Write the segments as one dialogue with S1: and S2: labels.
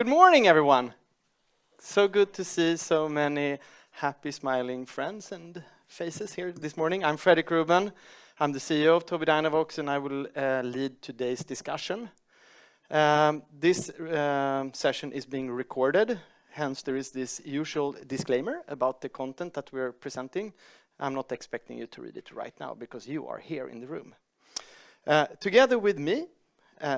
S1: Good morning, everyone. So good to see so many happy, smiling friends and faces here this morning. I'm Fredrik Ruben, I'm the CEO of Tobii Dynavox, and I will lead today's discussion. This session is being recorded, hence there is this usual disclaimer about the content that we are presenting. I'm not expecting you to read it right now because you are here in the room. Together with me,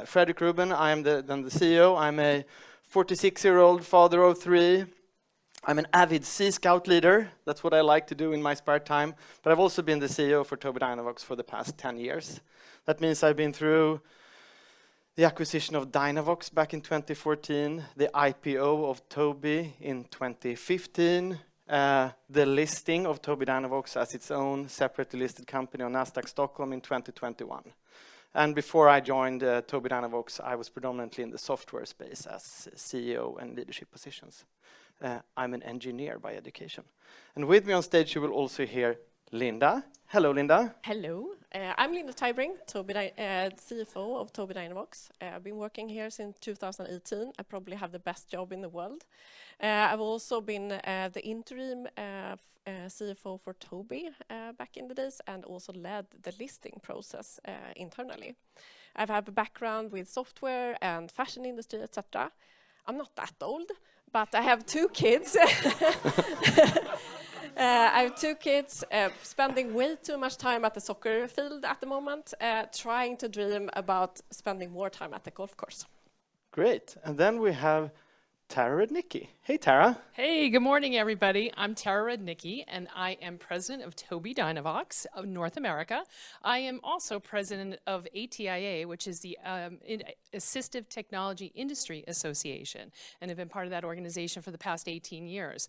S1: Fredrik Ruben, I am the CEO. I'm a 46-year-old father of three. I'm an avid Scout leader, that's what I like to do in my spare time, but I've also been the CEO for Tobii Dynavox for the past 10 years. That means I've been through the acquisition of Dynavox back in 2014, the IPO of Tobii in 2015, the listing of Tobii Dynavox as its own separately listed company on Nasdaq Stockholm in 2021. Before I joined Tobii Dynavox, I was predominantly in the software space as CEO and leadership positions. I'm an engineer by education. And with me on stage you will also hear Linda. Hello, Linda.
S2: Hello. I'm Linda Tybring, CFO of Tobii Dynavox. I've been working here since 2018. I probably have the best job in the world. I've also been the interim CFO for Tobii back in the days and also led the listing process internally. I have a background with software and fashion industry, etc. I'm not that old, but I have two kids. I have two kids spending way too much time at the soccer field at the moment, trying to dream about spending more time at the golf course.
S1: Great. And then we have Tara Rudnicki. Hey, Tara.
S3: Hey, good morning, everybody. I'm Tara Rudnicki, and I am President of Tobii Dynavox North America. I am also President of ATIA, which is the Assistive Technology Industry Association, and have been part of that organization for the past 18 years.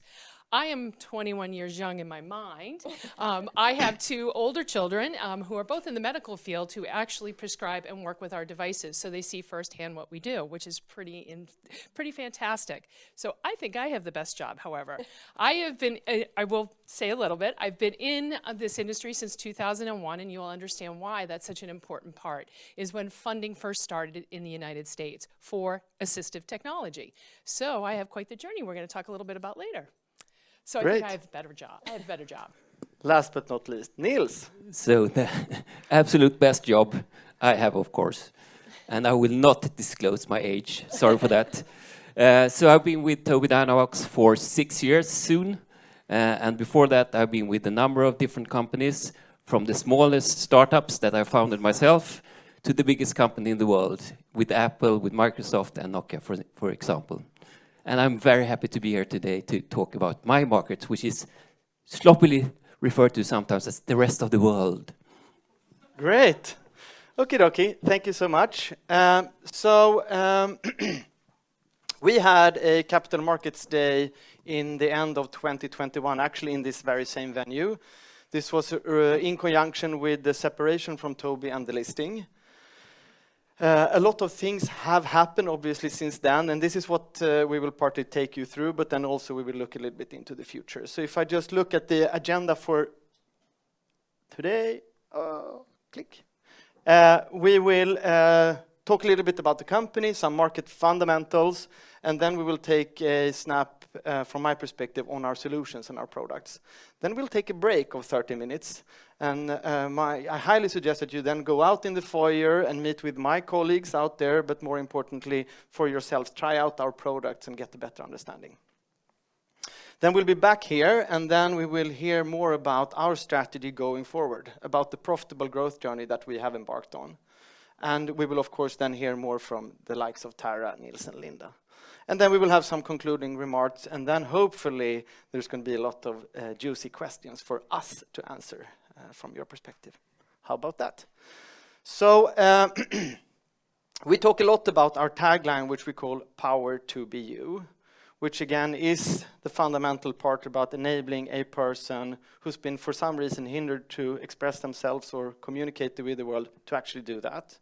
S3: I am 21 years young in my mind. I have two older children who are both in the medical field who actually prescribe and work with our devices so they see firsthand what we do, which is pretty fantastic. So I think I have the best job, however. I've been in this industry since 2001, and you will understand why that's such an important part, is when funding first started in the United States for assistive technology. So I have quite the journey we're going to talk a little bit about later. I think I have a better job. I have a better job.
S1: Last but not least, Nils.
S4: So the absolute best job I have, of course, and I will not disclose my age, sorry for that. So I've been with Tobii Dynavox for 6 years soon, and before that I've been with a number of different companies, from the smallest startups that I founded myself to the biggest company in the world, with Apple, with Microsoft, and Nokia, for example. I'm very happy to be here today to talk about my markets, which is sloppily referred to sometimes as the rest of the world.
S1: Great. Okey-dokey, thank you so much. So we had a Capital Markets Day in the end of 2021, actually in this very same venue. This was in conjunction with the separation from Tobii and the listing. A lot of things have happened, obviously, since then, and this is what we will partly take you through, but then also we will look a little bit into the future. So if I just look at the agenda for today, click. We will talk a little bit about the company, some market fundamentals, and then we will take a snap, from my perspective, on our solutions and our products. Then we'll take a break of 30 minutes, and I highly suggest that you then go out in the foyer and meet with my colleagues out there, but more importantly for yourselves, try out our products and get a better understanding. Then we'll be back here, and then we will hear more about our strategy going forward, about the profitable growth journey that we have embarked on. And we will, of course, then hear more from the likes of Tara, Nils, and Linda. And then we will have some concluding remarks, and then hopefully there's going to be a lot of juicy questions for us to answer from your perspective. How about that? So we talk a lot about our tagline, which we call "Power to Be You," which again is the fundamental part about enabling a person who's been for some reason hindered to express themselves or communicate with the world to actually do that.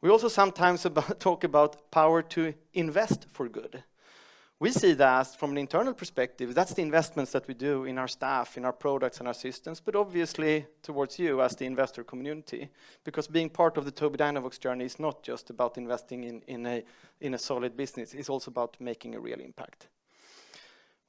S1: We also sometimes talk about "Power to Invest for Good." We see that as, from an internal perspective, that's the investments that we do in our staff, in our products, and our systems, but obviously towards you as the investor community, because being part of the Tobii Dynavox journey is not just about investing in a solid business, it's also about making a real impact.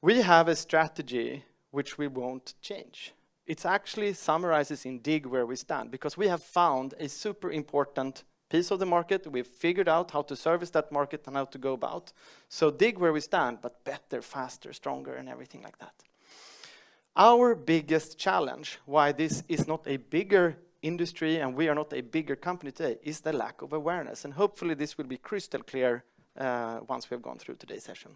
S1: We have a strategy which we won't change. It actually summarizes in Dig where we stand, because we have found a super important piece of the market, we've figured out how to service that market and how to go about, so Dig where we stand, but better, faster, stronger, and everything like that. Our biggest challenge, why this is not a bigger industry and we are not a bigger company today, is the lack of awareness, and hopefully this will be crystal clear once we have gone through today's session.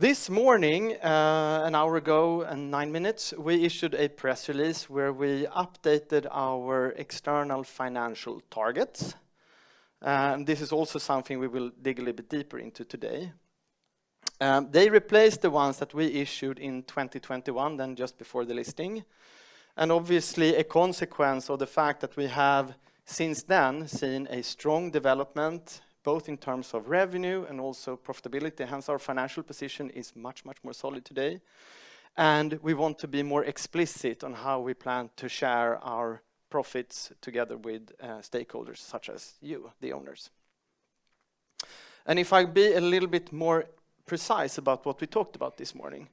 S1: This morning, an hour ago and nine minutes, we issued a press release where we updated our external financial targets. This is also something we will dig a little bit deeper into today. They replaced the ones that we issued in 2021, then just before the listing, and obviously a consequence of the fact that we have since then seen a strong development both in terms of revenue and also profitability, hence our financial position is much, much more solid today, and we want to be more explicit on how we plan to share our profits together with stakeholders such as you, the owners. If I be a little bit more precise about what we talked about this morning: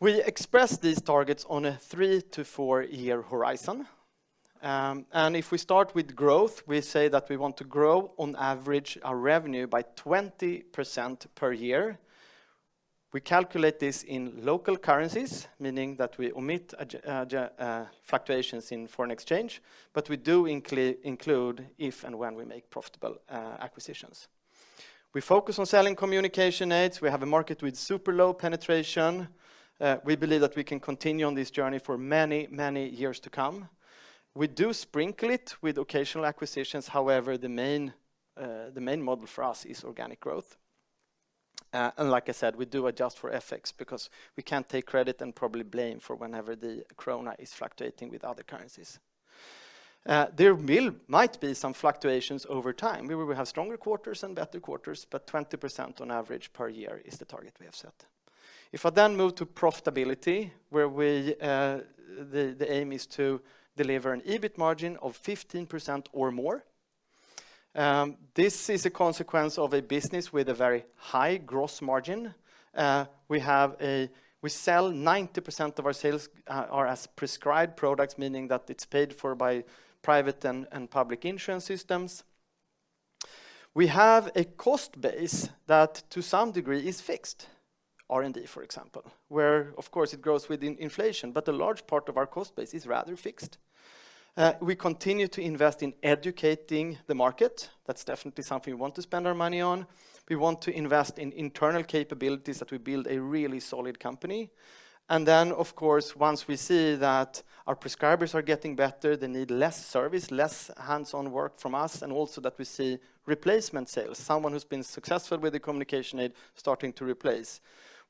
S1: we express these targets on a 3 to 4-year horizon, and if we start with growth, we say that we want to grow, on average, our revenue by 20% per year. We calculate this in local currencies, meaning that we omit fluctuations in foreign exchange, but we do include if and when we make profitable acquisitions. We focus on selling communication aids, we have a market with super low penetration, we believe that we can continue on this journey for many, many years to come. We do sprinkle it with occasional acquisitions, however the main model for us is organic growth. And like I said, we do adjust for FX because we can't take credit and probably blame for whenever the krona is fluctuating with other currencies. There might be some fluctuations over time, we will have stronger quarters and better quarters, but 20% on average per year is the target we have set. If I then move to profitability, where the aim is to deliver an EBIT margin of 15% or more, this is a consequence of a business with a very high gross margin. We sell 90% of our sales are as prescribed products, meaning that it's paid for by private and public insurance systems. We have a cost base that, to some degree, is fixed, R&D for example, where of course it grows with inflation, but a large part of our cost base is rather fixed. We continue to invest in educating the market. That's definitely something we want to spend our money on. We want to invest in internal capabilities that we build a really solid company. And then, of course, once we see that our prescribers are getting better, they need less service, less hands-on work from us, and also that we see replacement sales, someone who's been successful with the communication aid starting to replace,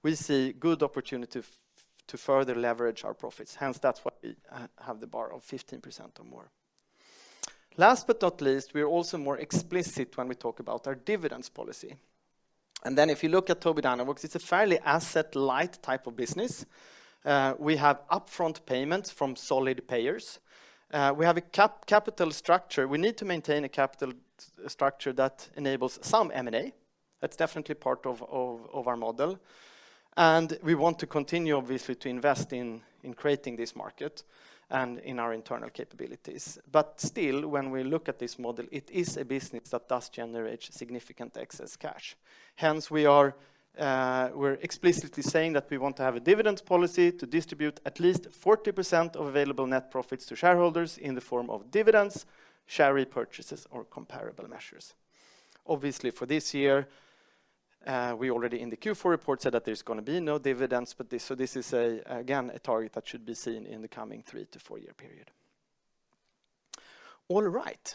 S1: we see good opportunity to further leverage our profits. Hence, that's why we have the bar of 15% or more. Last but not least, we are also more explicit when we talk about our dividends policy. Then, if you look at Tobii Dynavox, it's a fairly asset-light type of business. We have upfront payments from solid payers. We have a capital structure, we need to maintain a capital structure that enables some M&A, that's definitely part of our model, and we want to continue, obviously, to invest in creating this market and in our internal capabilities. But still, when we look at this model, it is a business that does generate significant excess cash. Hence we are explicitly saying that we want to have a dividends policy to distribute at least 40% of available net profits to shareholders in the form of dividends, share repurchases, or comparable measures. Obviously for this year, we already in the Q4 report said that there's going to be no dividends, so this is again a target that should be seen in the coming 3-4-year period. All right.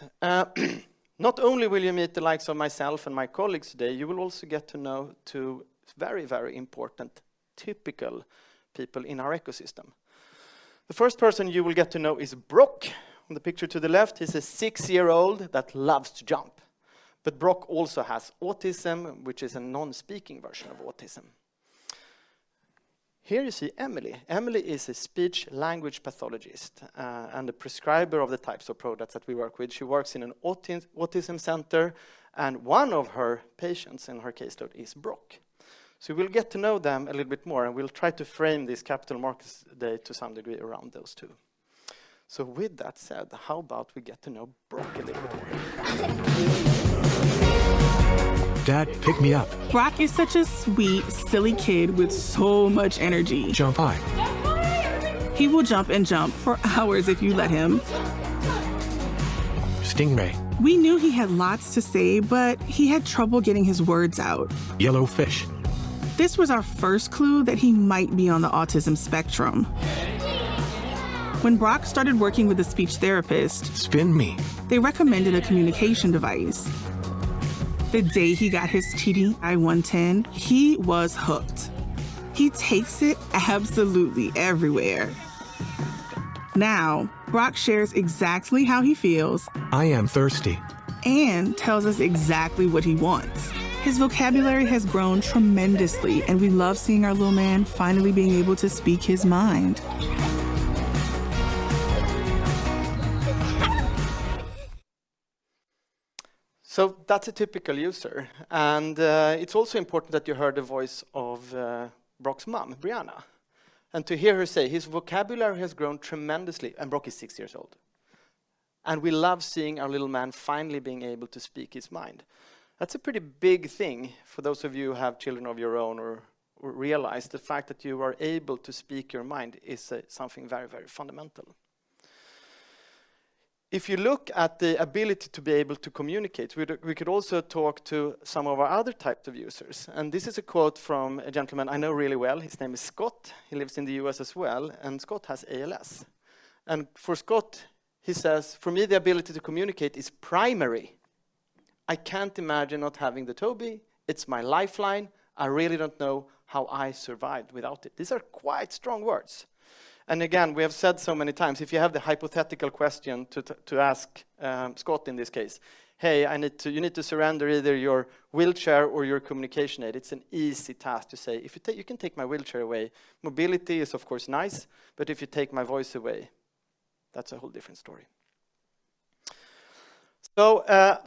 S1: Not only will you meet the likes of myself and my colleagues today, you will also get to know two very, very important typical people in our ecosystem. The first person you will get to know is Brock, on the picture to the left, he's a 6-year-old that loves to jump. But Brock also has autism, which is a non-speaking version of autism. Here you see Emily. Emily is a speech-language pathologist and the prescriber of the types of products that we work with. She works in an autism center, and one of her patients in her caseload is Brock. So we'll get to know them a little bit more, and we'll try to frame this Capital Markets Day to some degree around those two. So with that said, how about we get to know Brock a little bit more?
S5: Dad, pick me up. Brock is such a sweet, silly kid with so much energy. Jump high. He will jump and jump for hours if you let him. Stingray. We knew he had lots to say, but he had trouble getting his words out. Yellow fish. This was our first clue that he might be on the autism spectrum. When Brock started working with a speech therapist... Spin me. ...they recommended a communication device. The day he got his TD I-110, he was hooked. He takes it absolutely everywhere. Now, Brock shares exactly how he feels... I am thirsty. ...and tells us exactly what he wants. His vocabulary has grown tremendously, and we love seeing our little man finally being able to speak his mind.
S1: So that's a typical user, and it's also important that you heard the voice of Brock's mom, Brianna, and to hear her say his vocabulary has grown tremendously, and Brock is six years old, and we love seeing our little man finally being able to speak his mind. That's a pretty big thing for those of you who have children of your own or realize the fact that you are able to speak your mind is something very, very fundamental. If you look at the ability to be able to communicate, we could also talk to some of our other types of users, and this is a quote from a gentleman I know really well, his name is Scott, he lives in the U.S. as well, and Scott has ALS. And for Scott, he says, "For me the ability to communicate is primary. I can't imagine not having the Tobii, it's my lifeline, I really don't know how I survive without it." These are quite strong words. Again, we have said so many times, if you have the hypothetical question to ask Scott in this case, "Hey, you need to surrender either your wheelchair or your communication aid," it's an easy task to say, "You can take my wheelchair away." Mobility is of course nice, but if you take my voice away, that's a whole different story. So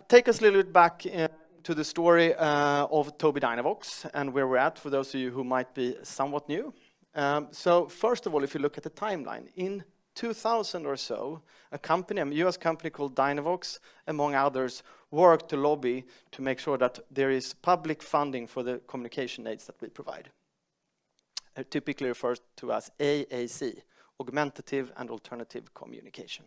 S1: take us a little bit back into the story of Tobii Dynavox and where we're at for those of you who might be somewhat new. First of all, if you look at the timeline, in 2000 or so, a company, a U.S. Company called Dynavox, among others, worked to lobby to make sure that there is public funding for the communication aids that we provide. Typically referred to as AAC, Augmentative and Alternative Communication.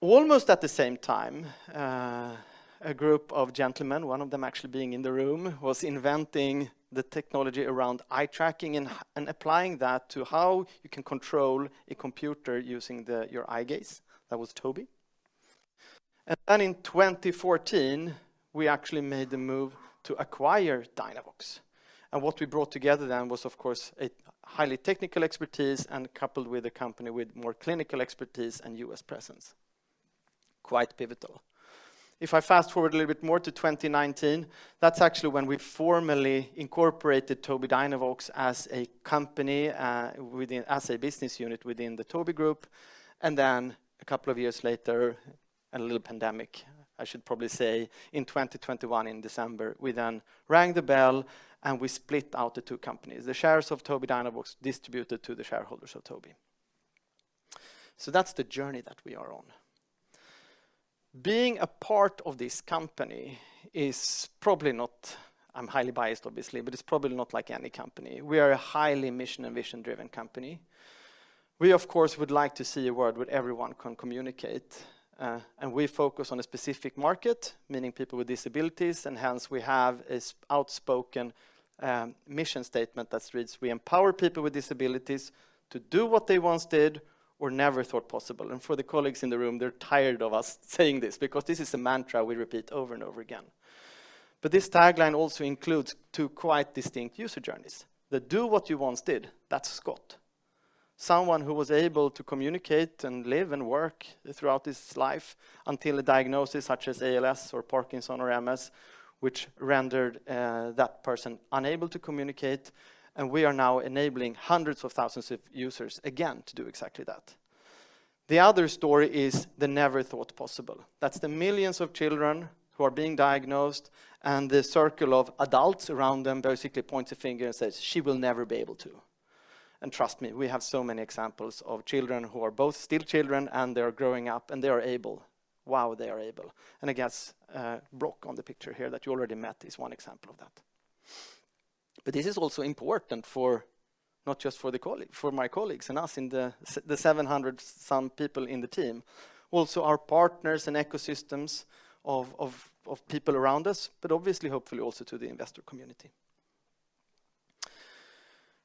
S1: Almost at the same time, a group of gentlemen, one of them actually being in the room, was inventing the technology around eye tracking and applying that to how you can control a computer using your eye gaze. That was Tobii. And then in 2014, we actually made the move to acquire Dynavox, and what we brought together then was of course highly technical expertise and coupled with a company with more clinical expertise and U.S. presence. Quite pivotal. If I fast-forward a little bit more to 2019, that's actually when we formally incorporated Tobii Dynavox as a company within, as a business unit within the Tobii Group, and then a couple of years later, a little pandemic, I should probably say, in 2021 in December, we then rang the bell and we split out the two companies. The shares of Tobii Dynavox distributed to the shareholders of Tobii. So that's the journey that we are on. Being a part of this company is probably not, I'm highly biased obviously, but it's probably not like any company. We are a highly mission and vision-driven company. We of course would like to see a world where everyone can communicate, and we focus on a specific market, meaning people with disabilities, and hence we have an outspoken mission statement that reads, "We empower people with disabilities to do what they once did or never thought possible." And for the colleagues in the room, they're tired of us saying this because this is a mantra we repeat over and over again. But this tagline also includes two quite distinct user journeys. The "do what you once did," that's Scott. Someone who was able to communicate and live and work throughout his life until a diagnosis such as ALS or Parkinson or MS, which rendered that person unable to communicate, and we are now enabling hundreds of thousands of users again to do exactly that. The other story is the "never thought possible." That's the millions of children who are being diagnosed, and the circle of adults around them basically points a finger and says, "She will never be able to." And trust me, we have so many examples of children who are both still children and they are growing up and they are able. Wow, they are able. And I guess Brock on the picture here that you already met is one example of that. But this is also important for not just for my colleagues and us in the 700-some people in the team, also our partners and ecosystems of people around us, but obviously hopefully also to the investor community.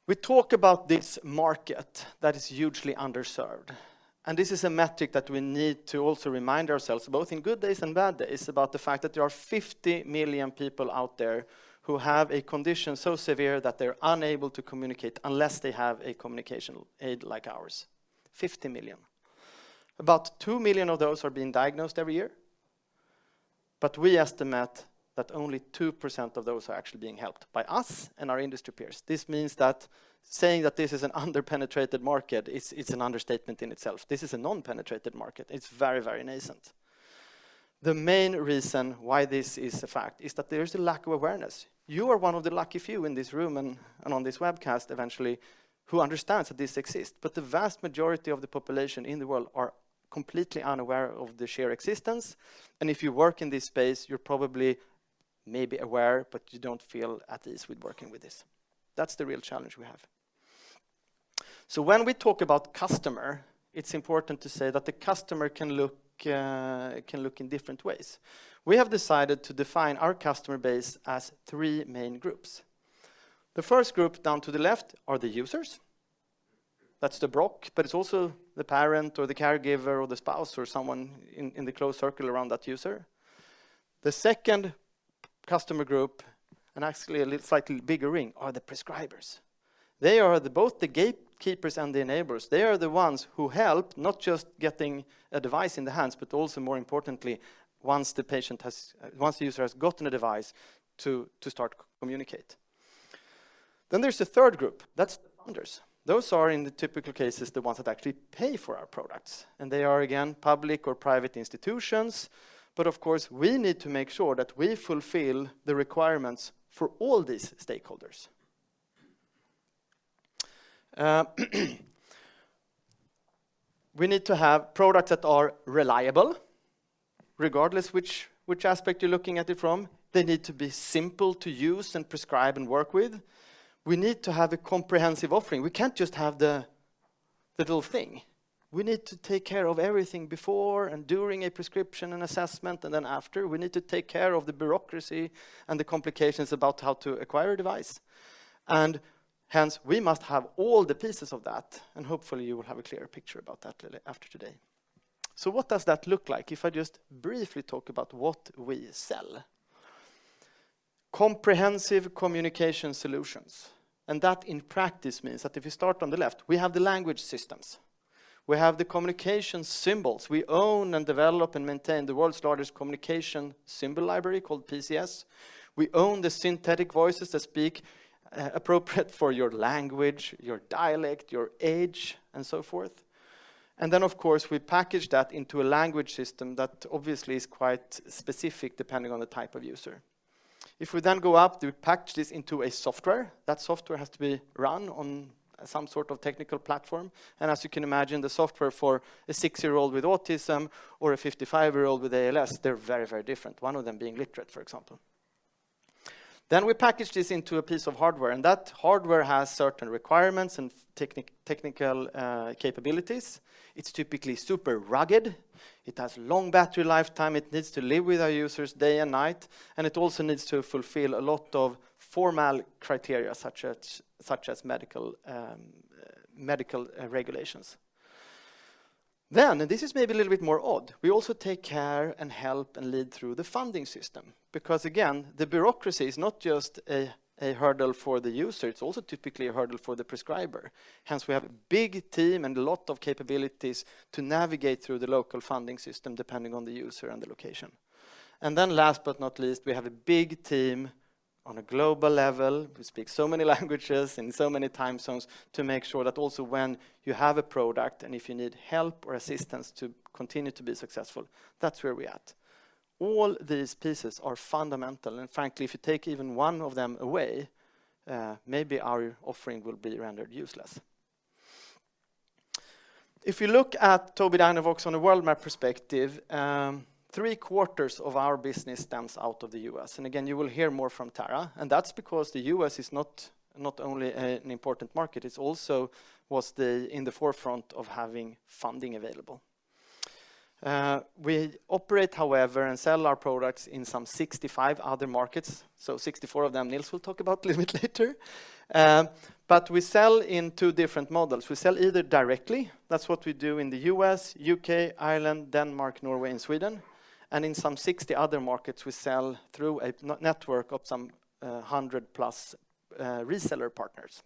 S1: We talk about this market that is hugely underserved, and this is a metric that we need to also remind ourselves, both in good days and bad days, about the fact that there are 50 million people out there who have a condition so severe that they're unable to communicate unless they have a communication aid like ours. 50 million. About 2 million of those are being diagnosed every year, but we estimate that only 2% of those are actually being helped by us and our industry peers. This means that saying that this is an under-penetrated market is an understatement in itself. This is a non-penetrated market, it's very, very nascent. The main reason why this is a fact is that there's a lack of awareness. You are one of the lucky few in this room and on this webcast eventually who understands that this exists, but the vast majority of the population in the world are completely unaware of the sheer existence, and if you work in this space, you're probably maybe aware, but you don't feel at ease with working with this. That's the real challenge we have. So when we talk about customer, it's important to say that the customer can look in different ways. We have decided to define our customer base as three main groups. The first group down to the left are the users. That's the Brock, but it's also the parent or the caregiver or the spouse or someone in the close circle around that user. The second customer group, and actually a slightly bigger ring, are the prescribers. They are both the gatekeepers and the enablers. They are the ones who help, not just getting a device in the hands, but also more importantly, once the patient has, once the user has gotten a device, to start communicating. Then there's a third group, that's the funders. Those are in the typical cases the ones that actually pay for our products, and they are again public or private institutions, but of course we need to make sure that we fulfill the requirements for all these stakeholders. We need to have products that are reliable, regardless of which aspect you're looking at it from. They need to be simple to use and prescribe and work with. We need to have a comprehensive offering. We can't just have the little thing. We need to take care of everything before and during a prescription and assessment and then after. We need to take care of the bureaucracy and the complications about how to acquire a device, and hence we must have all the pieces of that, and hopefully you will have a clearer picture about that after today. So what does that look like? If I just briefly talk about what we sell: comprehensive communication solutions. That in practice means that if you start on the left, we have the language systems. We have the communication symbols. We own and develop and maintain the world's largest communication symbol library called PCS. We own the synthetic voices that speak appropriately for your language, your dialect, your age, and so forth. Then of course we package that into a language system that obviously is quite specific depending on the type of user. If we then go up, we package this into a software. That software has to be run on some sort of technical platform, and as you can imagine, the software for a six-year-old with autism or a 55-year-old with ALS, they're very, very different. One of them being literate, for example. Then we package this into a piece of hardware, and that hardware has certain requirements and technical capabilities. It's typically super rugged. It has a long battery lifetime, it needs to live with our users day and night, and it also needs to fulfill a lot of formal criteria such as medical regulations. Then, and this is maybe a little bit more odd, we also take care and help and lead through the funding system. Because again, the bureaucracy is not just a hurdle for the user, it's also typically a hurdle for the prescriber. Hence we have a big team and a lot of capabilities to navigate through the local funding system depending on the user and the location. Then last but not least, we have a big team on a global level, who speak so many languages in so many time zones, to make sure that also when you have a product and if you need help or assistance to continue to be successful, that's where we're at. All these pieces are fundamental, and frankly, if you take even one of them away, maybe our offering will be rendered useless. If you look at Tobii Dynavox from a world map perspective, three-quarters of our business stems out of the U.S., and again you will hear more from Tara, and that's because the U.S. is not only an important market, it also was in the forefront of having funding available. We operate, however, and sell our products in some 65 other markets, so 64 of them Nils will talk about a little bit later, but we sell in two different models. We sell either directly, that's what we do in the U.S., U.K., Ireland, Denmark, Norway, and Sweden, and in some 60 other markets we sell through a network of some 100+ reseller partners.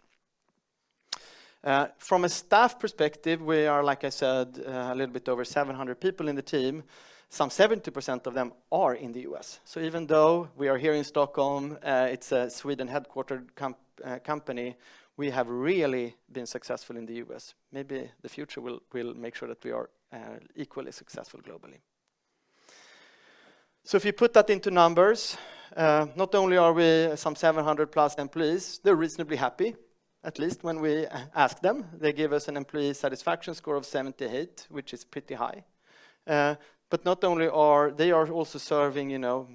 S1: From a staff perspective, we are, like I said, a little bit over 700 people in the team, some 70% of them are in the U.S. So even though we are here in Stockholm, it's a Sweden headquartered company, we have really been successful in the U.S. Maybe the future will make sure that we are equally successful globally. So if you put that into numbers, not only are we some 700+ employees, they're reasonably happy, at least when we ask them. They give us an employee satisfaction score of 78, which is pretty high. But not only are they also serving, you know,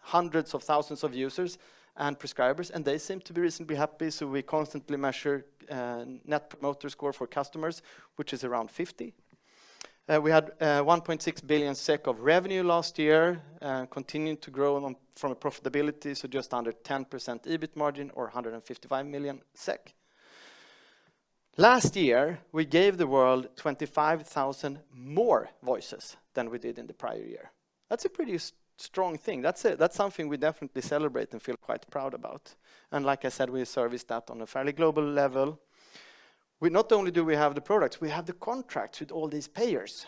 S1: hundreds of thousands of users and prescribers, and they seem to be reasonably happy, so we constantly measure Net Promoter Score for customers, which is around 50. We had 1.6 billion SEK of revenue last year, continuing to grow from a profitability, so just under 10% EBIT margin or 155 million SEK. Last year we gave the world 25,000 more voices than we did in the prior year. That's a pretty strong thing. That's something we definitely celebrate and feel quite proud about. And like I said, we service that on a fairly global level. Not only do we have the products, we have the contracts with all these payers.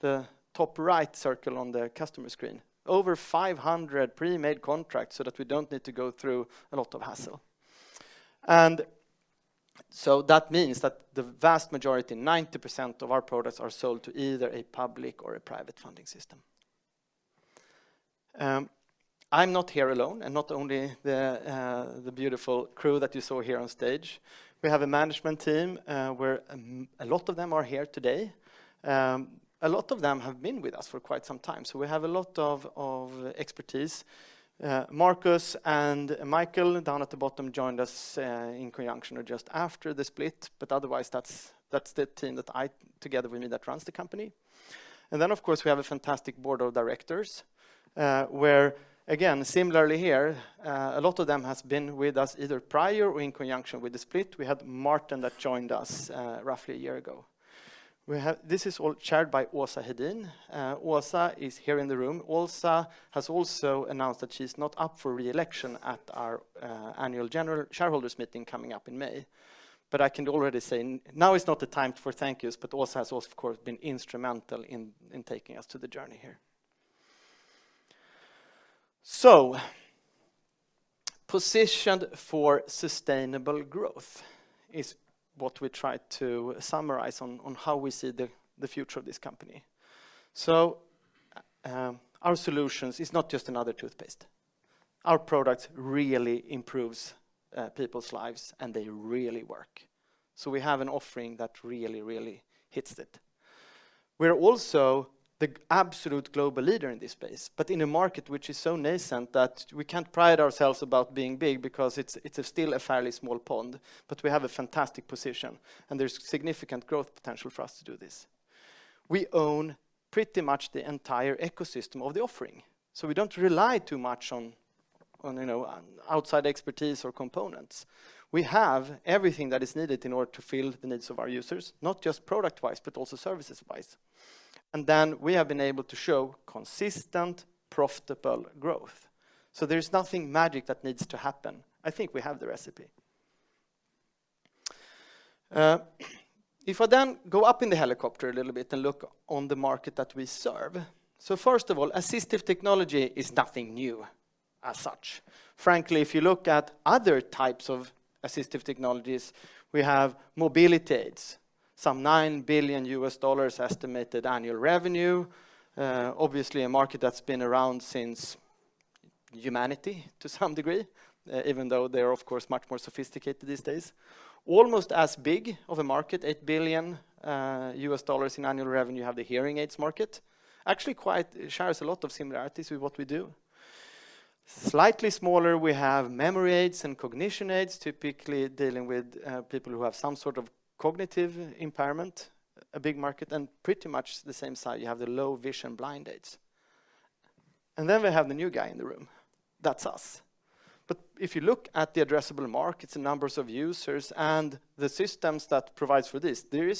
S1: The top right circle on the customer screen: over 500 pre-made contracts so that we don't need to go through a lot of hassle. And so that means that the vast majority, 90% of our products, are sold to either a public or a private funding system. I'm not here alone, and not only the beautiful crew that you saw here on stage. We have a management team where a lot of them are here today. A lot of them have been with us for quite some time, so we have a lot of expertise. Markus and Michael down at the bottom joined us in conjunction or just after the split, but otherwise that's the team that I, together with me, that runs the company. Then of course we have a fantastic board of directors where, again, similarly here, a lot of them have been with us either prior or in conjunction with the split. We had Martin that joined us roughly a year ago. This is all chaired by Åsa Hedin. Åsa is here in the room. Åsa has also announced that she's not up for re-election at our annual general shareholders' meeting coming up in May. But I can already say, now is not the time for thank yous, but Åsa has also of course been instrumental in taking us to the journey here. So, positioned for sustainable growth is what we try to summarize on how we see the future of this company. So our solutions are not just another toothpaste. Our product really improves people's lives and they really work. So we have an offering that really, really hits it. We're also the absolute global leader in this space, but in a market which is so nascent that we can't pride ourselves about being big because it's still a fairly small pond, but we have a fantastic position and there's significant growth potential for us to do this. We own pretty much the entire ecosystem of the offering, so we don't rely too much on, you know, outside expertise or components. We have everything that is needed in order to fill the needs of our users, not just product-wise but also services-wise. Then we have been able to show consistent, profitable growth. So there's nothing magic that needs to happen. I think we have the recipe. If I then go up in the helicopter a little bit and look on the market that we serve, so first of all, assistive technology is nothing new as such. Frankly, if you look at other types of assistive technologies, we have mobility aids, some $9 billion estimated annual revenue, obviously a market that's been around since humanity to some degree, even though they are of course much more sophisticated these days. Almost as big of a market, $8 billion in annual revenue, you have the hearing aids market, actually quite shares a lot of similarities with what we do. Slightly smaller, we have memory aids and cognition aids, typically dealing with people who have some sort of cognitive impairment, a big market, and pretty much the same side, you have the low vision blind aids. Then we have the new guy in the room. That's us. If you look at the addressable markets, the numbers of users, and the systems that provide for this, there are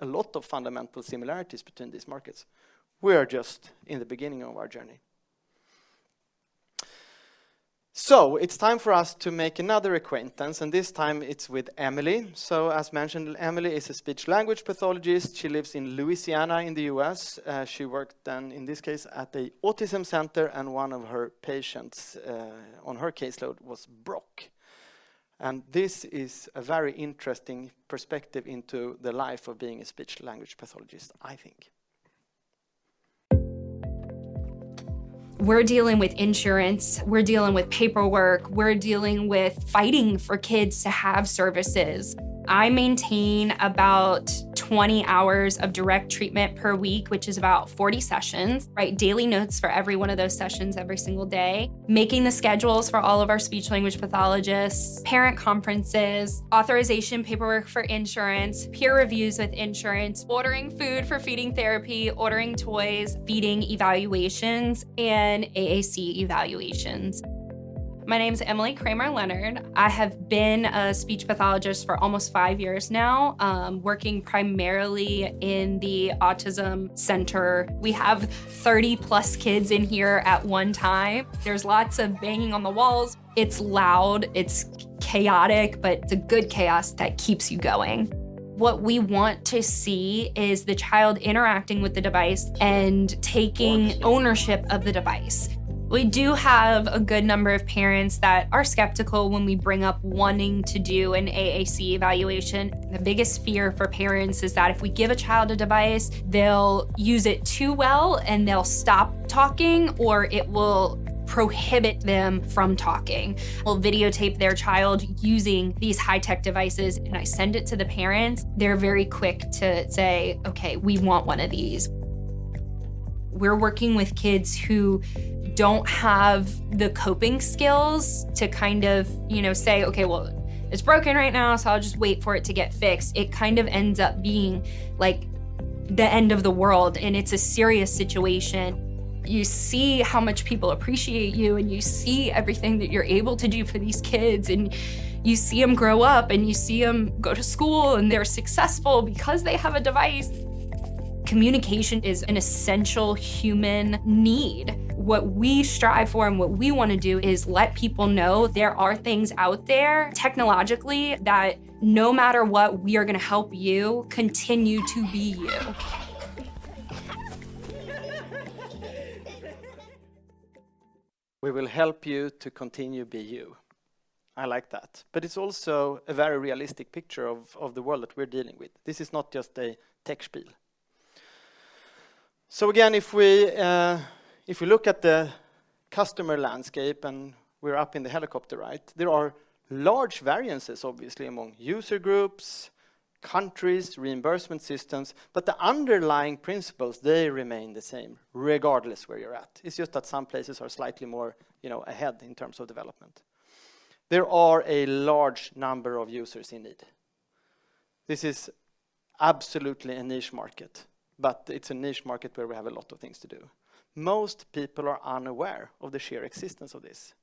S1: a lot of fundamental similarities between these markets. We are just in the beginning of our journey. It's time for us to make another acquaintance, and this time it's with Emily. As mentioned, Emily is a speech-language pathologist. She lives in Louisiana in the U.S. She worked then, in this case, at an autism center, and one of her patients on her caseload was Brock. This is a very interesting perspective into the life of being a speech-language pathologist, I think.
S5: We're dealing with insurance, we're dealing with paperwork, we're dealing with fighting for kids to have services. I maintain about 20 hours of direct treatment per week, which is about 40 sessions, write daily notes for every one of those sessions every single day, making the schedules for all of our speech-language pathologists, parent conferences, authorization paperwork for insurance, peer reviews with insurance, ordering food for feeding therapy, ordering toys, feeding evaluations, and AAC evaluations. My name is Emily Kramer Leonard. I have been a speech-language pathologist for almost 5 years now, working primarily in the autism center. We have 30+ kids in here at one time. There's lots of banging on the walls. It's loud, it's chaotic, but it's a good chaos that keeps you going. What we want to see is the child interacting with the device and taking ownership of the device. We do have a good number of parents that are skeptical when we bring u p wanting to do an AAC evaluation. The biggest fear for parents is that if we give a child a device, they'll use it too well and they'll stop talking or it will prohibit them from talking. We'll videotape their child using these high-tech devices, and I send it to the parents, they're very quick to say, "Okay, we want one of these." We're working with kids who don't have the coping skills to kind of say, "Okay, well, it's broken right now, so I'll just wait for it to get fixed." It kind of ends up being like the end of the world, and it's a serious situation. You see how much people appreciate you, and you see everything that you're able to do for these kids, and you see them grow up, and you see them go to school, and they're successful because they have a device. Communication is an essential human need. What we strive for and what we want to do is let people know there are things out there technologically that no matter what, we are going to help you continue to be you.
S1: We will help you to continue to be you. I like that. But it's also a very realistic picture of the world that we're dealing with. This is not just a tech spiel. So again, if we look at the customer landscape and we're up in the helicopter, right, there are large variances, obviously, among user groups, countries, reimbursement systems, but the underlying principles, they remain the same regardless where you're at. It's just that some places are slightly more ahead in terms of development. There are a large number of users in need. This is absolutely a niche market, but it's a niche market where we have a lot of things to do. Most people are unaware of the sheer existence of this.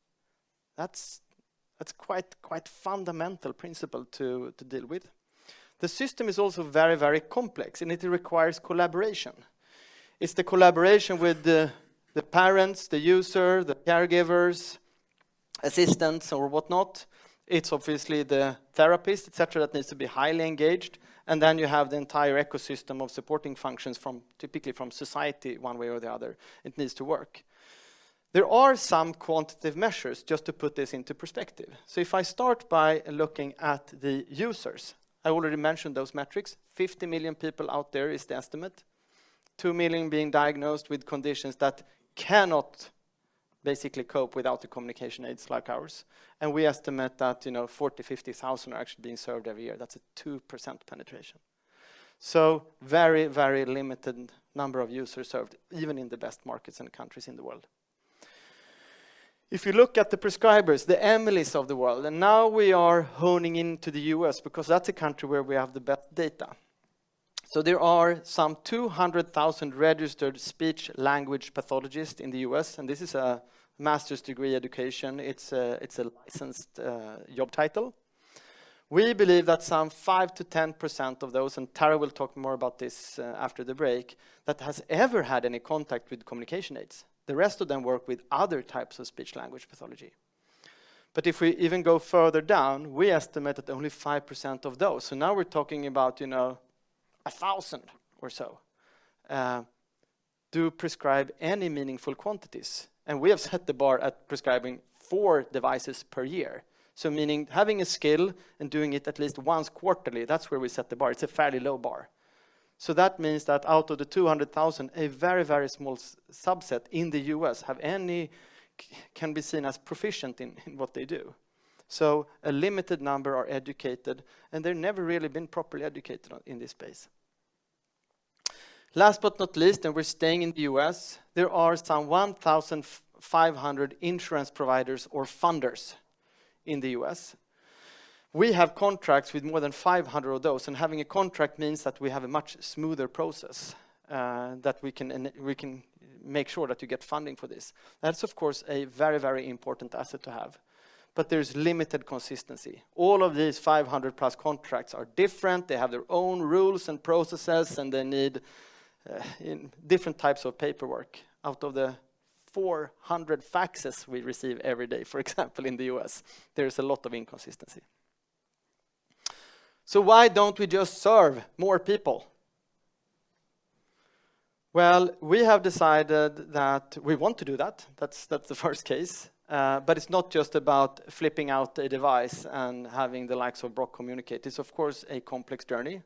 S1: That's quite a fundamental principle to deal with. The system is also very, very complex, and it requires collaboration. It's the collaboration with the parents, the user, the caregivers, assistants, or whatnot. It's obviously the therapist, etc., that needs to be highly engaged, and then you have the entire ecosystem of supporting functions typically from society one way or the other. It needs to work. There are some quantitative measures, just to put this into perspective. So if I start by looking at the users, I already mentioned those metrics: 50 million people out there is the estimate, 2 million being diagnosed with conditions that cannot basically cope without the communication aids like ours, and we estimate that 40,000-50,000 are actually being served every year. That's a 2% penetration. So a very, very limited number of users served, even in the best markets and countries in the world. If you look at the prescribers, the Emilys of the world, and now we are honing in to the U.S. because that's a country where we have the best data. So there are some 200,000 registered speech-language pathologists in the U.S., and this is a master's degree education. It's a licensed job title. We believe that some 5%-10% of those, and Tara will talk more about this after the break, that has ever had any contact with communication aids. The rest of them work with other types of speech-language pathology. But if we even go further down, we estimate that only 5% of those, so now we're talking about, you know, 1,000 or so, do prescribe any meaningful quantities, and we have set the bar at prescribing four devices per year. So meaning having a skill and doing it at least once quarterly, that's where we set the bar. It's a fairly low bar. So that means that out of the 200,000, a very, very small subset in the U.S. can be seen as proficient in what they do. So a limited number are educated, and they've never really been properly educated in this space. Last but not least, and we're staying in the U.S., there are some 1,500 insurance providers or funders in the U.S. We have contracts with more than 500 of those, and having a contract means that we have a much smoother process, that we can we can make sure that you get funding for this. That's, of course, a very, very important asset to have, but there's limited consistency. All of these 500+ contracts are different, they have their own rules and processes, and they need different types of paperwork. Out of the 400 faxes we receive every day, for example, in the U.S., there's a lot of inconsistency. So why don't we just serve more people? Well, we have decided that we want to do that. That's the first case. But it's not just about flipping out a device and having the likes of Brock communicate. It's, of course, a complex journey.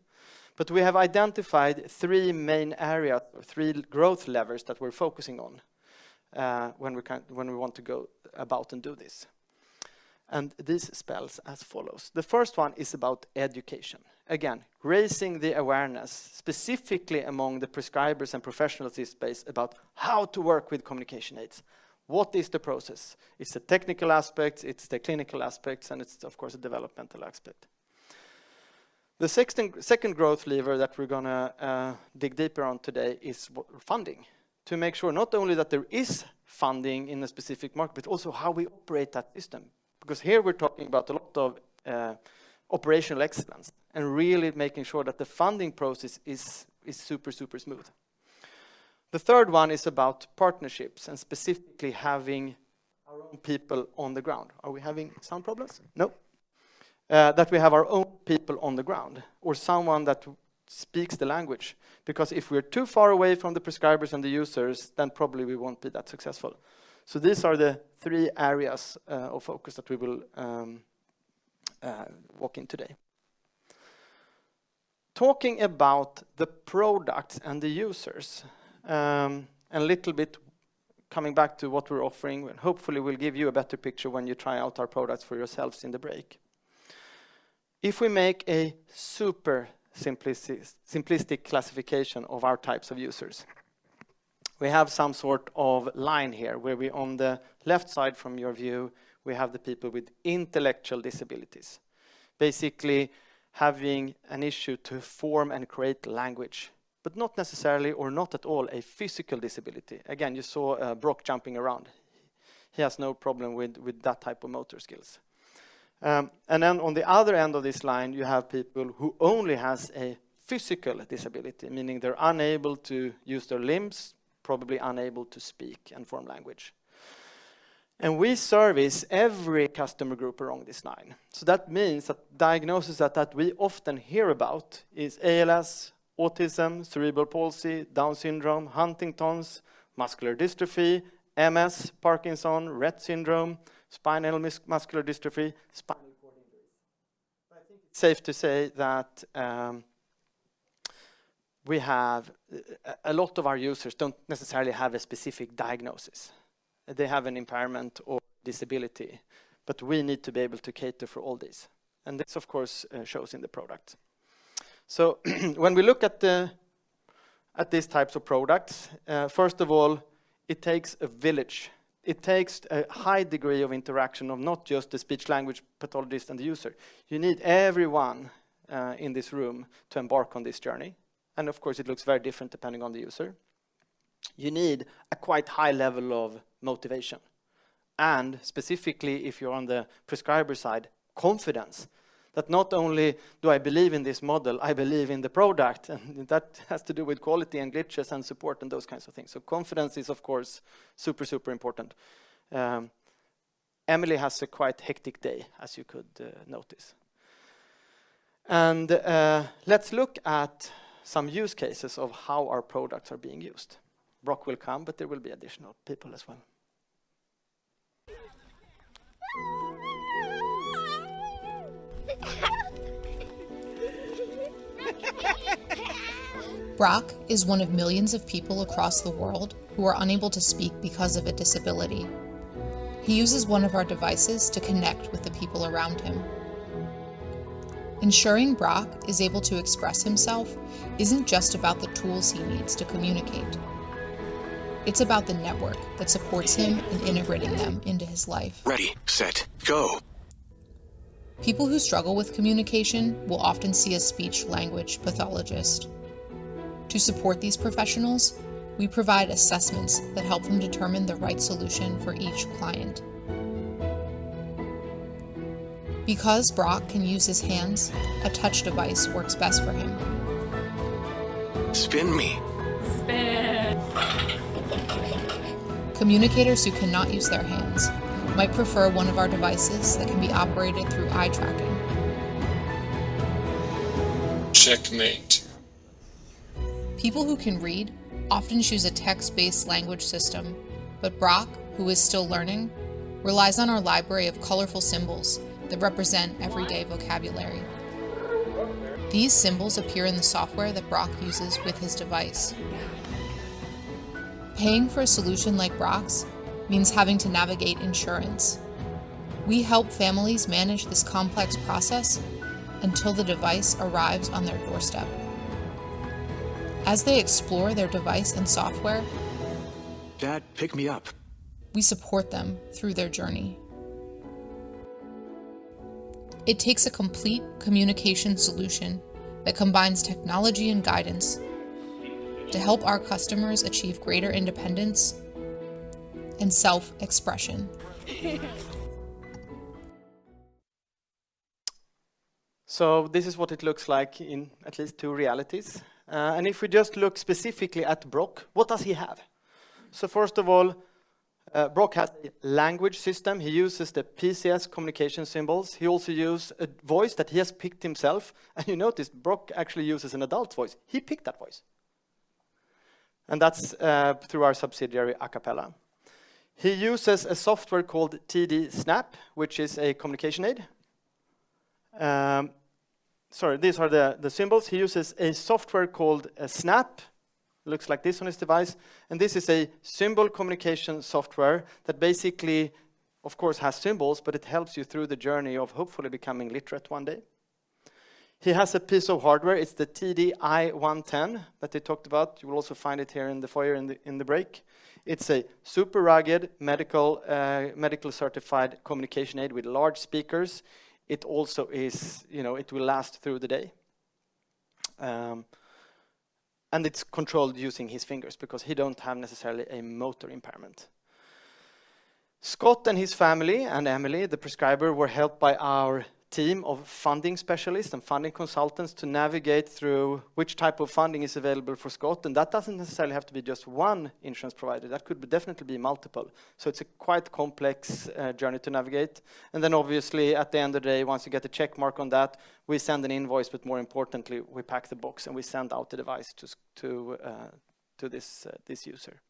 S1: But we have identified three main areas, or three growth levers, that we're focusing on when we want to go about and do this. And this spells as follows. The first one is about education. Again, raising the awareness, specifically among the prescribers and professionals in this space, about how to work with communication aids. What is the process? It's the technical aspects, it's the clinical aspects, and it's, of course, the developmental aspect. The second growth lever that we're going to dig deeper on today is funding. To make sure not only that there is funding in a specific market, but also how we operate that system. Because here we're talking about a lot of operational excellence, and really making sure that the funding process is super, super smooth. The third one is about partnerships, and specifically having our own people on the ground. Are we having sound problems? No? That we have our own people on the ground, or someone that speaks the language. Because if we're too far away from the prescribers and the users, then probably we won't be that successful. So these are the three areas of focus that we will walk in today. Talking about the products and the users, a little bit coming back to wAat we're offering, and hopefully we'll give you a better picture when you try out our products for yourselves in the break. If we make a super simplistic classification of our types of users, we have some sort of line here where we, on the left side from your view, we have the people with intellectual disabilities. Basically, having an issue to form and create language, but not necessarily, or not at all, a physical disability. Again, you saw Brock jumping around. He has no problem with that type of motor skills. And then, on the other end of this line, you have people who only have a physical disability, meaning they're unable to use their limbs, probably unable to speak and form language. And we service every customer group along this line. So that means that diagnoses that we often hear about are ALS, Autism, cerebral palsy, Down syndrome, Huntington's, muscular dystrophy, MS, Parkinson's, Rett syndrome, spinal muscular dystrophy, spinal cord injuries. But I think it's safe to say that we have a lot of our users who don't necessarily have a specific diagnosis. They have an impairment or disability, but we need to be able to cater for all these. And this, of course, shows in the products. So when we look at these types of products, first of all, it takes a village. It takes a high degree of interaction of not just the speech-language pathologist and the user. You need everyone in this room to embark on this journey, and of course it looks very different depending on the user. You need a quite high level of motivation, and specifically if you're on the prescriber side, confidence. That not only do I believe in this model, I believe in the product, and that has to do with quality and glitches and support and those kinds of things. So confidence is, of course, super, super important. Emily has quite a hectic day, as you could notice. Let's look at some use cases of how our products are being used. Brock will come, but there will be additional people as well.
S5: Brock is one of millions of people across the world who are unable to speak because of a disability. He uses one of our devices to connect with the people around him. Ensuring Brock is able to express himself isn't just about the tools he needs to communicate. It's about the network that supports him in integrating them into his life. Ready, set, go. People who struggle with communication will often see a speech-language pathologist. To support these professionals, we provide assessments that help them determine the right solution for each client. Because Brock can use his hands, a touch device works best for him. Spin me. Spin. Communicators who cannot use their hands might prefer one of our devices that can be operated through eye tracking. Checkmate. People who can read often choose a text-based language system, but Brock, who is still learning, relies on our library of colorful symbols that represent everyday vocabulary. These symbols appear in the software that Brock uses with his device. Paying for a solution like Brock's means having to navigate insurance. We help families manage this complex process until the device arrives on their doorstep. As they explore their device and software, Dad, pick me up. We support them through their journey. It takes a complete communication solution that combines technology and guidance to help our customers achieve greater independence and self-expression.
S1: So this is what it looks like in at least two realities. And if we just look specifically at Brock, what does he have? So first of all, Brock has a language system. He uses the PCS communication symbols. He also uses a voice that he has picked himself. And you notice, Brock actually uses an adult voice. He picked that voice. And that's through our subsidiary Acapela. He uses a software called TD Snap, which is a communication aid. Sorry, these are the symbols. He uses a software called Snap. It looks like this on his device. And this is a symbol communication software that basically, of course, has symbols, but it helps you through the journey of hopefully becoming literate one day. He has a piece of hardware. It's the TD I-110 that he talked about. You will also find it here in the foyer in the break. It's a super rugged, medical-certified communication aid with large speakers. It also is, you know, it will last through the day. And it's controlled using his fingers because he doesn't have necessarily a motor impairment. Scott and his family and Emily, the prescriber, were helped by our team of funding specialists and funding consultants to navigate through which type of funding is available for Scott. And that doesn't necessarily have to be just one insurance provider. That could definitely be multiple. So it's a quite complex journey to navigate. And then, obviously, at the end of the day, once you get the checkmark on that, we send an invoice, but more importantly, we pack the box and we send out the device to this user.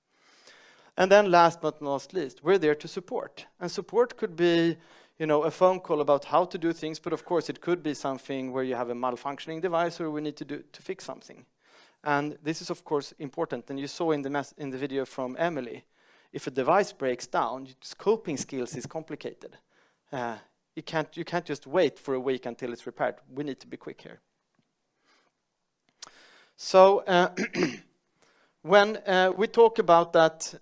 S1: Last but not least, we're there to support. Support could be, you know, a phone call about how to do things, but of course it could be something where you have a malfunctioning device or we need to do to fix something. This is, of course, important. You saw in the video from Emily; if a device breaks down, your coping skills are complicated. You can't just wait for a week until it's repaired. We need to be quick here. When we talk about that,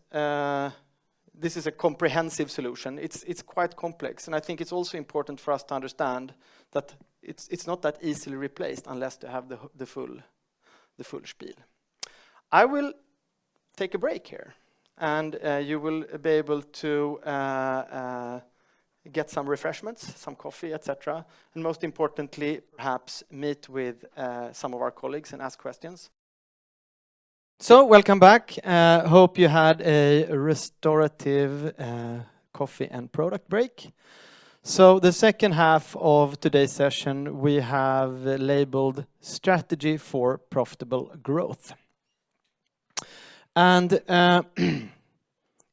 S1: this is a comprehensive solution. It's quite complex, and I think it's also important for us to understand that it's not that easily replaced unless you have the full spiel. I will take a break here, and you will be able to get some refreshments, some coffee, etc., and most importantly, perhaps meet with some of our colleagues and ask questions. So, welcome back. Hope you had a restorative coffee and product break. So, the second half of today's session, we have labeled "Strategy for Profitable Growth." And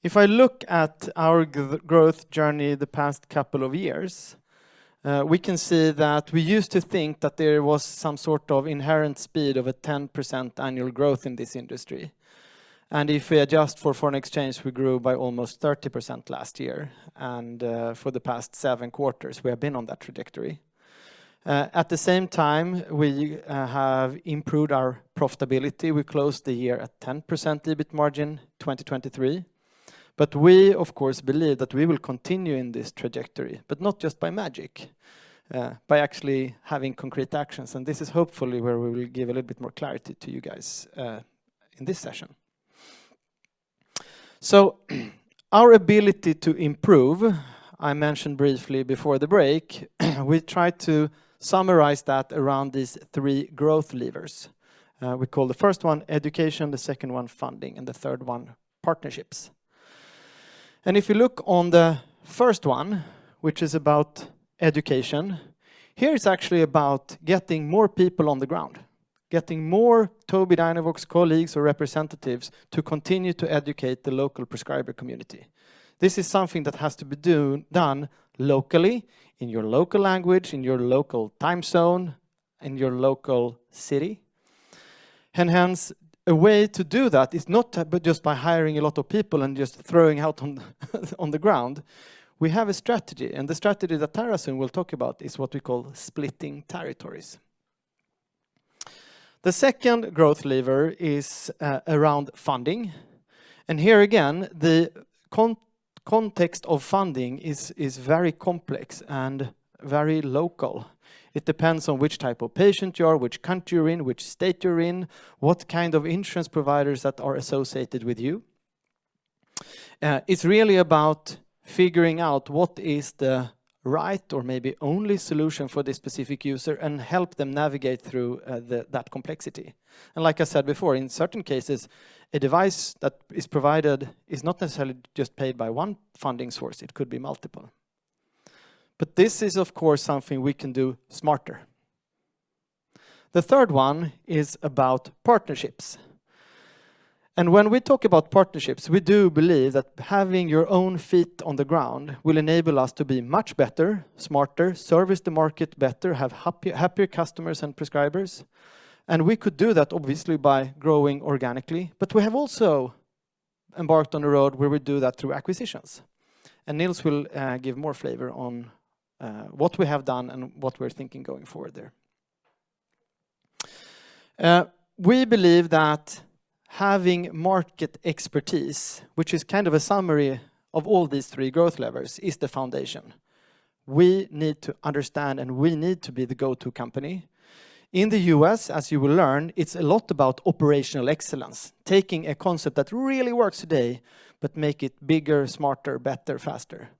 S1: if I look at our growth journey the past couple of years, we can see that we used to think that there was some sort of inherent speed of a 10% annual growth in this industry. And if we adjust for foreign exchange, we grew by almost 30% last year. And for the past seven quarters, we have been on that trajectory. At the same time, we have improved our profitability. We closed the year at 10% EBIT margin in 2023. But we, of course, believe that we will continue in this trajectory, but not just by magic, by actually having concrete actions. And this is hopefully where we will give a little bit more clarity to you guys in this session. So, our ability to improve, I mentioned briefly before the break, we try to summarize that around these three growth levers. We call the first one education, the second one funding, and the third one partnerships. And if you look on the first one, which is about education, here it's actually about getting more people on the ground. Getting more Tobii Dynavox colleagues or representatives to continue to educate the local prescriber community. This is something that has to be done locally, in your local language, in your local time zone, in your local city. Hence, a way to do that is not just by hiring a lot of people and just throwing out on the ground. We have a strategy, and the strategy that Tara soon will talk about is what we call "splitting territories." The second growth lever is around funding. Here again, the context of funding is very complex and very local. It depends on which type of patient you are, which country you're in, which state you're in, what kind of insurance providers that are associated with you. It's really about figuring out what is the right or maybe only solution for this specific user and help them navigate through that complexity. Like I said before, in certain cases, a device that is provided is not necessarily just paid by one funding source. It could be multiple. But this is, of course, something we can do smarter. The third one is about partnerships. When we talk about partnerships, we do believe that having your own feet on the ground will enable us to be much better, smarter, service the market better, have happier customers and prescribers. We could do that, obviously, by growing organically, but we have also embarked on a road where we do that through acquisitions. Nils will give more flavor on what we have done and what we're thinking going forward there. We believe that having market expertise, which is kind of a summary of all these three growth levers, is the foundation. We need to understand, and we need to be the go-to company. In the U.S., as you will learn, it's a lot about operational excellence. Taking a concept that really works today, but make it bigger, smarter, better, faster.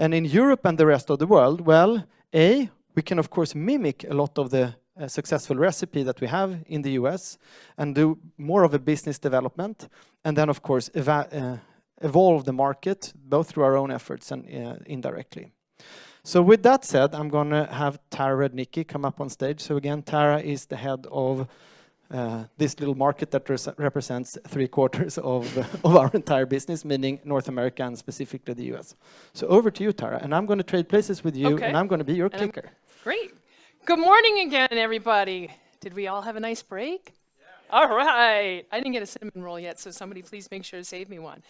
S1: In Europe and the rest of the world, well, A, we can, of course, mimic a lot of the successful recipe that we have in the U.S. and do more of a business development, and then, of course, evolve the market, both through our own efforts and indirectly. So with that said, I'm going to have Tara Rudnicki come up on stage. So again, Tara is the head of this little market that represents three quarters of our entire business, meaning North America and specifically the U.S. So over to you, Tara, and I'm going to trade places with you, and I'm going to be your clicker.
S3: Great. Good morning again, everybody. Did we all have a nice break? Yeah. All right. I didn't get a cinnamon roll yet, so somebody please make sure to save me one.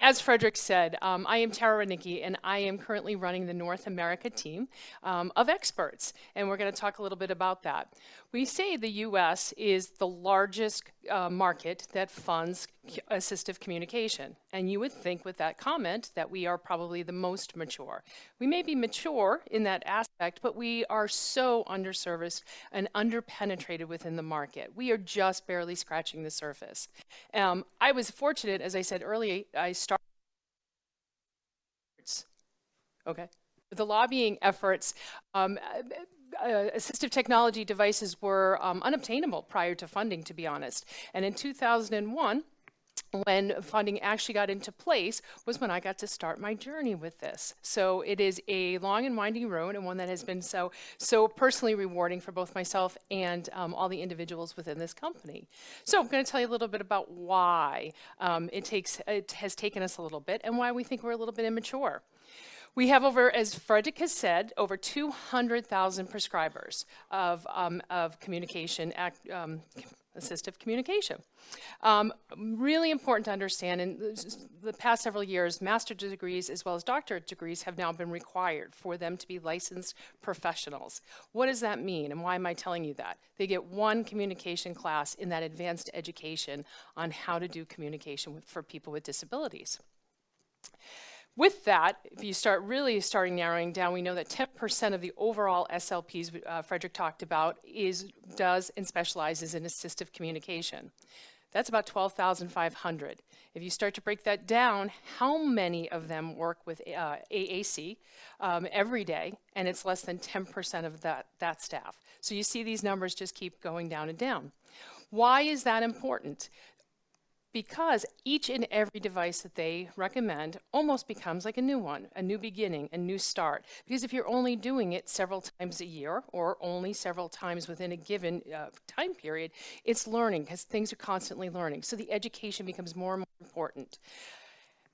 S3: As Fredrik said, I am Tara Rudnicki, and I am currently running the North America team of experts, and we're going to talk a little bit about that. We say the U.S. is the largest market that funds assistive communication, and you would think with that comment that we are probably the most mature. We may be mature in that aspect, but we are so underserviced and underpenetrated within the market. We are just barely scratching the surface. I was fortunate, as I said earlier, I started with the lobbying efforts. Okay. With the lobbying efforts, assistive technology devices were unobtainable prior to funding, to be honest. In 2001, when funding actually got into place, was when I got to start my journey with this. So it is a long and winding road, and one that has been so, so personally rewarding for both myself and all the individuals within this company. So I'm going to tell you a little bit about why it has taken us a little bit and why we think we're a little bit immature. We have, over, as Fredrik has said, over 200,000 prescribers of communication, assistive communication. Really important to understand, in the past several years, master's degrees as well as doctorate degrees have now been required for them to be licensed professionals. What does that mean, and why am I telling you that? They get one communication class in that advanced education on how to do communication for people with disabilities. With that, if you start really narrowing down, we know that 10% of the overall SLPs Fredrik talked about does and specializes in assistive communication. That's about 12,500. If you start to break that down, how many of them work with AAC every day? And it's less than 10% of that staff. So you see these numbers just keep going down and down. Why is that important? Because each and every device that they recommend almost becomes like a new one, a new beginning, a new start. Because if you're only doing it several times a year or only several times within a given time period, it's learning because things are constantly learning. So the education becomes more and more important.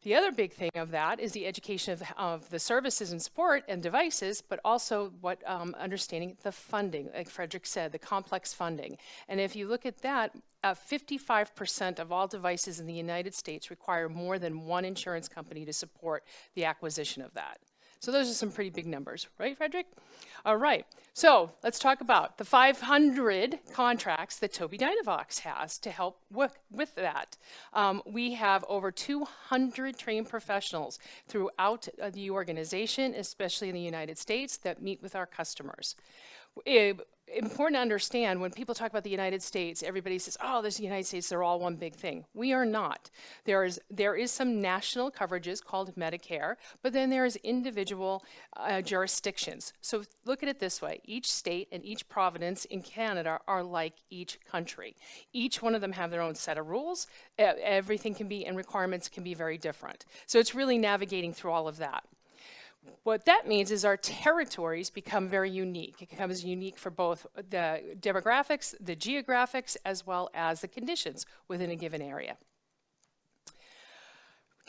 S3: The other big thing of that is the education of the services and support and devices, but also understanding the funding, like Fredrik said, the complex funding. And if you look at that, 55% of all devices in the United States require more than one insurance company to support the acquisition of that. So those are some pretty big numbers, right, Fredrik? All right. So let's talk about the 500 contracts that Tobii Dynavox has to help with that. We have over 200 trained professionals throughout the organization, especially in the United States, that meet with our customers. Important to understand, when people talk about the United States, everybody says, "Oh, the United States, they're all one big thing." We are not. There are some national coverages called Medicare, but then there are individual jurisdictions. So look at it this way: each state and each province in Canada are like each country. Each one of them has their own set of rules. Everything can be, and requirements can be very different. So it's really navigating through all of that. What that means is our territories become very unique. It becomes unique for both the demographics, the geographics, as well as the conditions within a given area.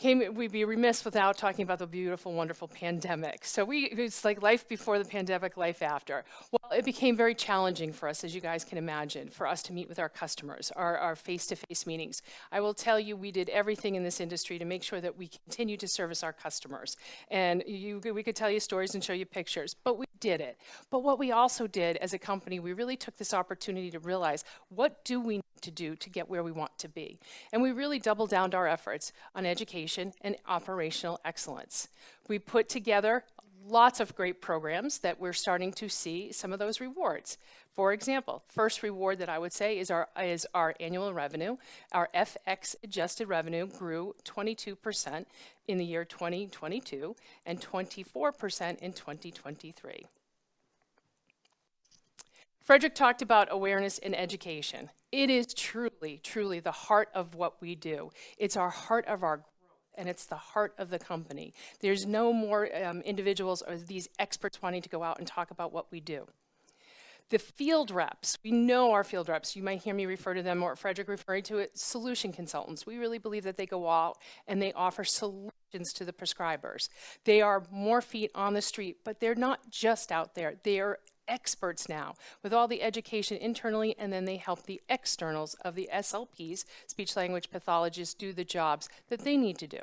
S3: We'd be remiss without talking about the beautiful, wonderful pandemic. It's like life before the pandemic, life after. Well, it became very challenging for us, as you guys can imagine, for us to meet with our customers, our face-to-face meetings. I will tell you, we did everything in this industry to make sure that we continue to service our customers. And we could tell you stories and show you pictures, but we did it. What we also did as a company, we really took this opportunity to realize, "What do we need to do to get where we want to be?" We really doubled down our efforts on education and operational excellence. We put together lots of great programs that we're starting to see some of those rewards. For example, the first reward that I would say is our annual revenue. Our FX-adjusted revenue grew 22% in the year 2022 and 24% in 2023. Fredrik talked about awareness and education. It is truly, truly the heart of what we do. It's our heart of our growth, and it's the heart of the company. There's no more individuals or these experts wanting to go out and talk about what we do. The field reps, we know our field reps. You might hear me refer to them or Fredrik referring to it, solution consultants. We really believe that they go out and they offer solutions to the prescribers. They are more feet on the street, but they're not just out there. They are experts now, with all the education internally, and then they help the externals of the SLPs, speech-language pathologists, do the jobs that they need to do.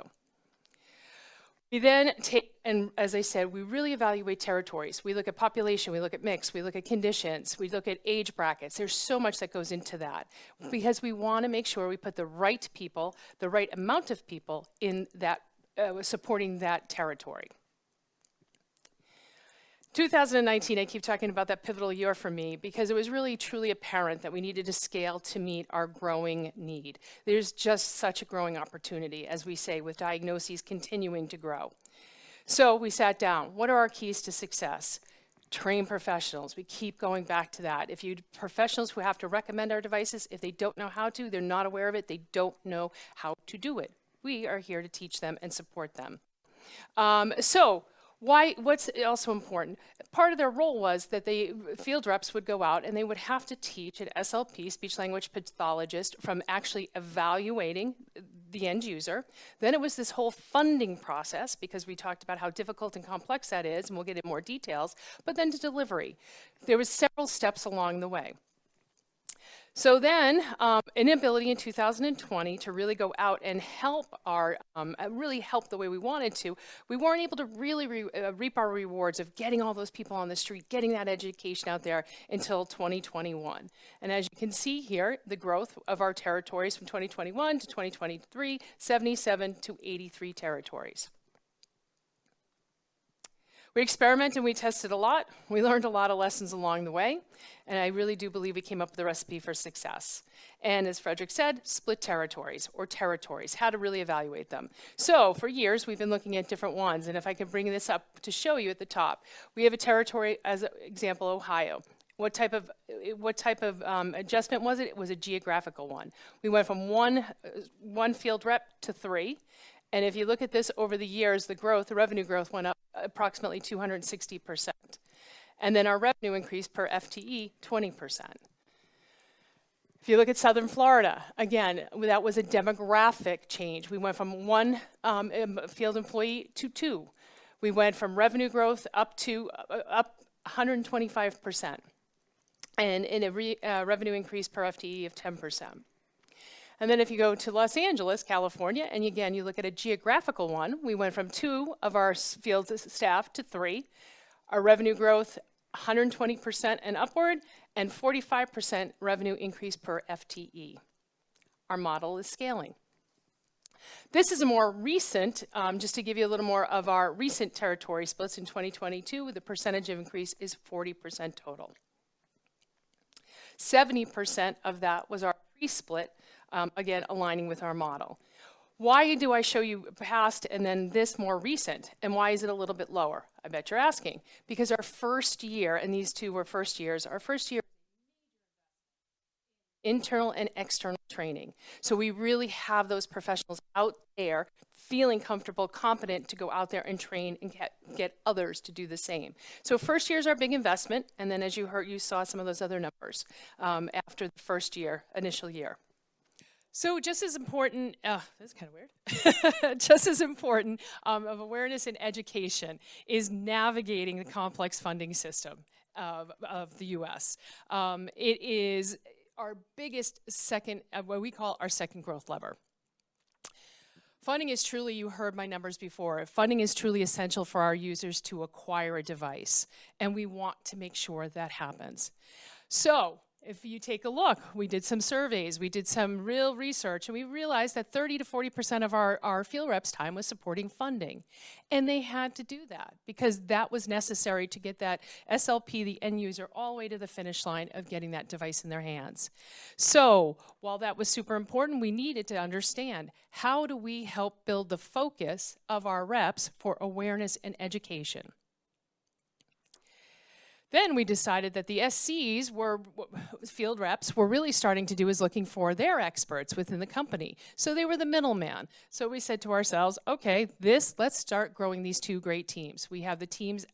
S3: We then take, and as I said, we really evaluate territories. We look at population, we look at mix, we look at conditions, we look at age brackets. There's so much that goes into that because we want to make sure we put the right people, the right amount of people in that supporting that territory. 2019, I keep talking about that pivotal year for me because it was really, truly apparent that we needed to scale to meet our growing need. There's just such a growing opportunity, as we say, with diagnoses continuing to grow. So we sat down. What are our keys to success? Trained professionals. We keep going back to that. If you have professionals who have to recommend our devices, if they don't know how to, they're not aware of it, they don't know how to do it. We are here to teach them and support them. So what's also important? Part of their role was that the field reps would go out and they would have to teach an SLP, speech-language pathologist, from actually evaluating the end user. Then it was this whole funding process because we talked about how difficult and complex that is, and we'll get into more details, but then to delivery. There were several steps along the way. So then, an inability in 2020 to really go out and really help the way we wanted to. We weren't able to really reap our rewards of getting all those people on the street, getting that education out there until 2021. And as you can see here, the growth of our territories from 2021 to 2023, 77-83 territories. We experimented and we tested a lot. We learned a lot of lessons along the way, and I really do believe we came up with the recipe for success. And as Fredrik said, split territories or territories, how to really evaluate them. So for years, we've been looking at different ones, and if I can bring this up to show you at the top, we have a territory as an example, Ohio. What type of adjustment was it? It was a geographical one. We went from 1 field rep to 3, and if you look at this over the years, the growth, the revenue growth, went up approximately 260%. And then our revenue increased per FTE 20%. If you look at Southern Florida, again, that was a demographic change. We went from one field employee to two. We went from revenue growth up to 125% and a revenue increase per FTE of 10%. And then if you go to Los Angeles, California, and again, you look at a geographical one, we went from 2 of our field staff to 3. Our revenue growth, 120% and upward, and 45% revenue increase per FTE. Our model is scaling. This is a more recent, just to give you a little more of our recent territory splits in 2022, the percentage of increase is 40% total. 70% of that was our pre-split, again, aligning with our model. Why do I show you past and then this more recent, and why is it a little bit lower? I bet you're asking. Because our first year, and these two were first years, our first year made a major investment in internal and external training. So we really have those professionals out there feeling comfortable, competent to go out there and train and get others to do the same. So first year is our big investment, and then as you heard, you saw some of those other numbers after the first year, initial year. So just as important, this is kind of weird, just as important of awareness and education is navigating the complex funding system of the U.S. It is our biggest second, what we call our second growth lever. Funding is truly, you heard my numbers before, funding is truly essential for our users to acquire a device, and we want to make sure that happens. So if you take a look, we did some surveys, we did some real research, and we realized that 30%-40% of our field reps' time was supporting funding. And they had to do that because that was necessary to get that SLP, the end user, all the way to the finish line of getting that device in their hands. So while that was super important, we needed to understand how do we help build the focus of our reps for awareness and education. Then we decided that the SCs, field reps, were really starting to do is looking for their experts within the company. So they were the middleman. So we said to ourselves, "Okay, let's start growing these two great teams. We have the teams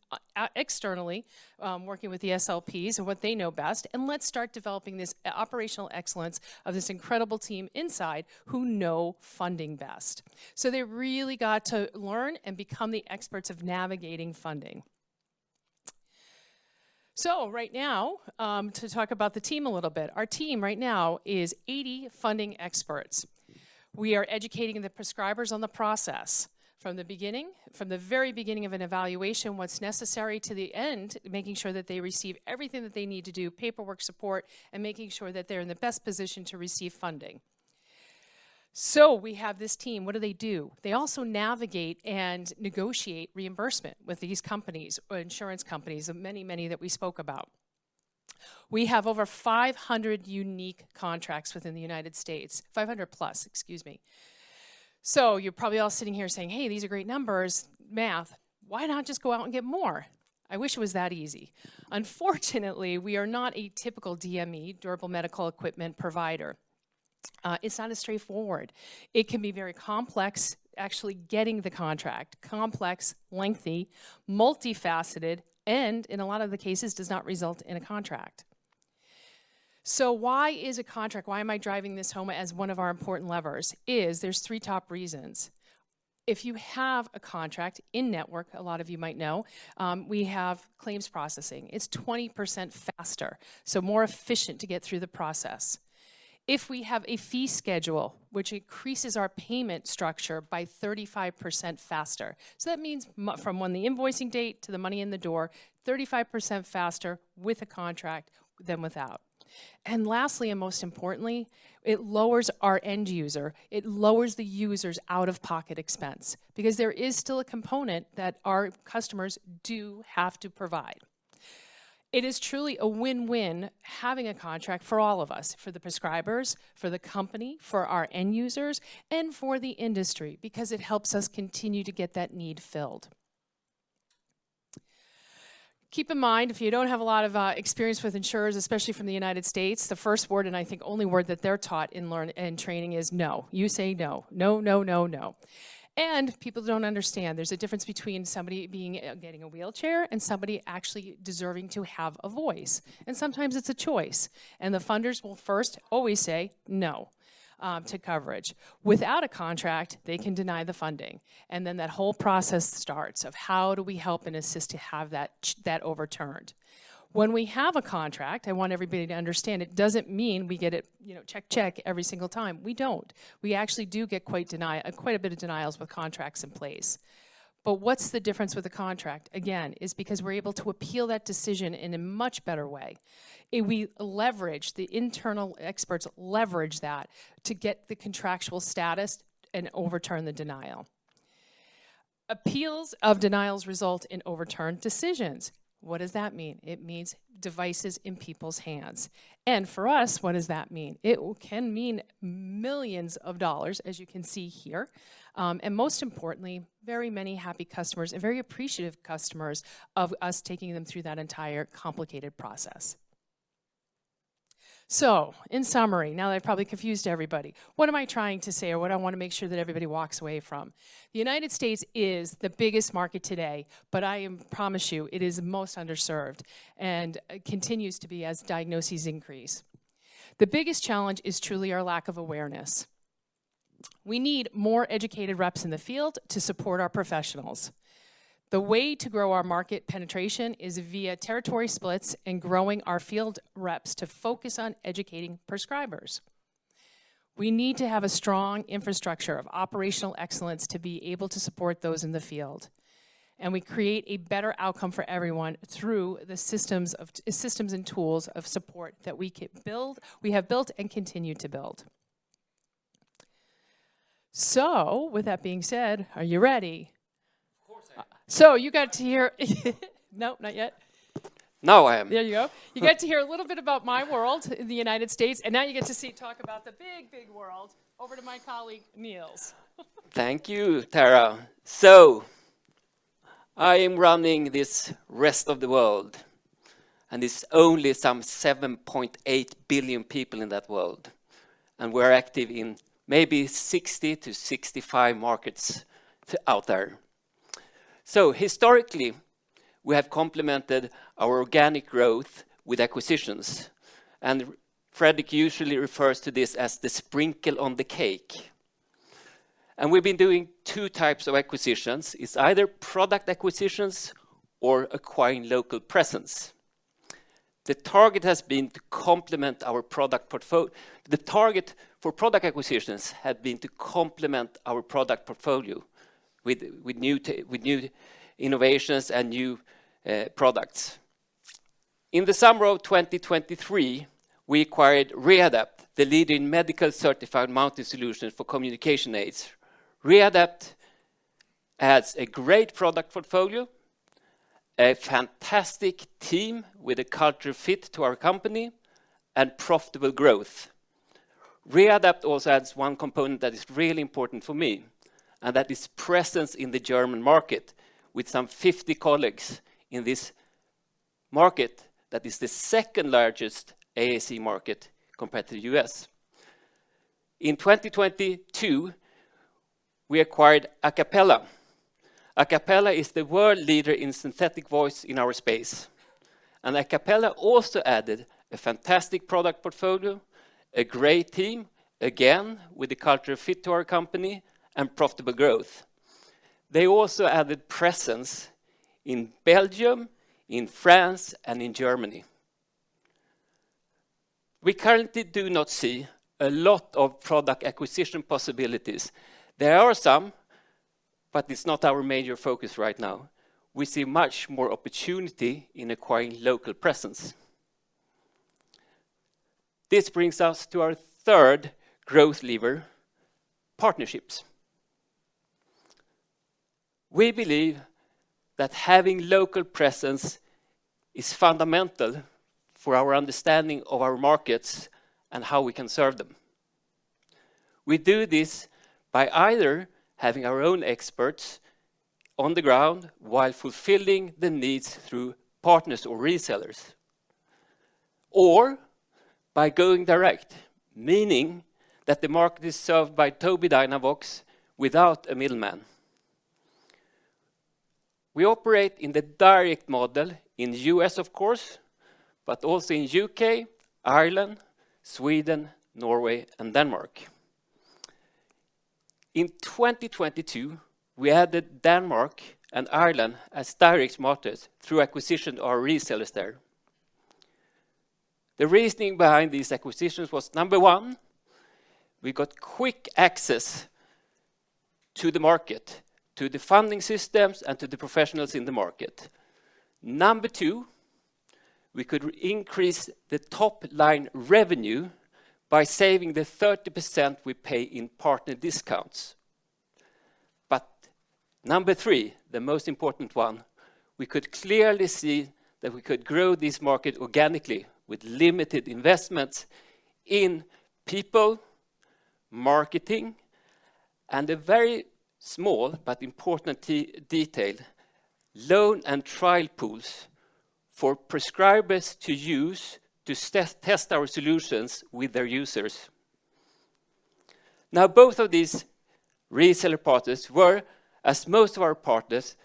S3: externally working with the SLPs and what they know best, and let's start developing this operational excellence of this incredible team inside who know funding best." So they really got to learn and become the experts of navigating funding. So right now, to talk about the team a little bit, our team right now is 80 funding experts. We are educating the prescribers on the process from the beginning, from the very beginning of an evaluation, what's necessary to the end, making sure that they receive everything that they need to do, paperwork support, and making sure that they're in the best position to receive funding. So we have this team. What do they do? They also navigate and negotiate reimbursement with these companies, insurance companies, the many, many that we spoke about. We have over 500 unique contracts within the United States. 500 plus, excuse me. So you're probably all sitting here saying, "Hey, these are great numbers, math. Why not just go out and get more?" I wish it was that easy. Unfortunately, we are not a typical DME, durable medical equipment provider. It's not as straightforward. It can be very complex, actually getting the contract. Complex, lengthy, multifaceted, and in a lot of the cases, does not result in a contract. So why is a contract—why am I driving this home as one of our important levers? There's three top reasons. If you have a contract in-network, a lot of you might know, we have claims processing. It's 20% faster, so more efficient to get through the process. If we have a fee schedule, which increases our payment structure by 35% faster. So that means from the invoicing date to the money in the door, 35% faster with a contract than without. And lastly, and most importantly, it lowers our end user. It lowers the user's out-of-pocket expense because there is still a component that our customers do have to provide. It is truly a win-win having a contract for all of us: for the prescribers, for the company, for our end users, and for the industry because it helps us continue to get that need filled. Keep in mind, if you don't have a lot of experience with insurers, especially from the United States, the first word, and I think only word that they're taught in training, is no. You say no. No, no, no, no. And people don't understand. There's a difference between somebody getting a wheelchair and somebody actually deserving to have a voice. And sometimes it's a choice. And the funders will first always say no to coverage. Without a contract, they can deny the funding. And then that whole process starts of how do we help and assist to have that overturned. When we have a contract, I want everybody to understand, it doesn't mean we get it check every single time. We don't. We actually do get quite a bit of denials with contracts in place. But what's the difference with a contract? Again, it's because we're able to appeal that decision in a much better way. We leverage the internal experts that to get the contractual status and overturn the denial. Appeals of denials result in overturned decisions. What does that mean? It means devices in people's hands. And for us, what does that mean? It can mean millions dollars, as you can see here. And most importantly, very many happy customers and very appreciative customers of us taking them through that entire complicated process. So in summary, now that I've probably confused everybody, what am I trying to say or what I want to make sure that everybody walks away from? The United States is the biggest market today, but I promise you, it is most underserved and continues to be as diagnoses increase. The biggest challenge is truly our lack of awareness. We need more educated reps in the field to support our professionals. The way to grow our market penetration is via territory splits and growing our field reps to focus on educating prescribers. We need to have a strong infrastructure of operational excellence to be able to support those in the field. And we create a better outcome for everyone through the systems and tools of support that we have built and continue to build. So with that being said, are you ready? Of course I am. So you got to hear—no, not yet. No, I am. There you go. You got to hear a little bit about my world in the United States, and now you get to see talk about the big, big world. Over to my colleague, Nils.
S4: Thank you, Tara. So I am running this rest of the world, and there's only some 7.8 billion people in that world. And we're active in maybe 60-65 markets out there. So historically, we have complemented our organic growth with acquisitions. And Fredrik usually refers to this as the sprinkle on the cake. And we've been doing two types of acquisitions. It's either product acquisitions or acquiring local presence. The target has been to complement our product portfolio. The target for product acquisitions had been to complement our product portfolio with new innovations and new products. In the summer of 2023, we acquired Rehadapt, the leading medical-certified mounting solution for communication aids. Rehadapt adds a great product portfolio, a fantastic team with a culture fit to our company, and profitable growth. Rehadapt also adds one component that is really important for me, and that is presence in the German market with some 50 colleagues in this market that is the second largest AAC market compared to the U.S. In 2022, we acquired Acapela. Acapela is the world leader in synthetic voice in our space. And Acapela also added a fantastic product portfolio, a great team, again, with a culture fit to our company, and profitable growth. They also added presence in Belgium, in France, and in Germany. We currently do not see a lot of product acquisition possibilities. There are some, but it's not our major focus right now. We see much more opportunity in acquiring local presence. This brings us to our third growth lever: partnerships. We believe that having local presence is fundamental for our understanding of our markets and how we can serve them. We do this by either having our own experts on the ground while fulfilling the needs through partners or resellers, or by going direct, meaning that the market is served by Tobii Dynavox without a middleman. We operate in the direct model in the U.S., of course, but also in the U.K., Ireland, Sweden, Norway, and Denmark. In 2022, we added Denmark and Ireland as direct markets through acquisition of our resellers there. The reasoning behind these acquisitions was, number 1, we got quick access to the market, to the funding systems, and to the professionals in the market. Number 2, we could increase the top-line revenue by saving the 30% we pay in partner discounts. But number 3, the most important one, we could clearly see that we could grow this market organically with limited investments in people, marketing, and a very small but important detail: loan and trial pools for prescribers to use to test our solutions with their users. Now, both of these reseller partners were, as most of our partners,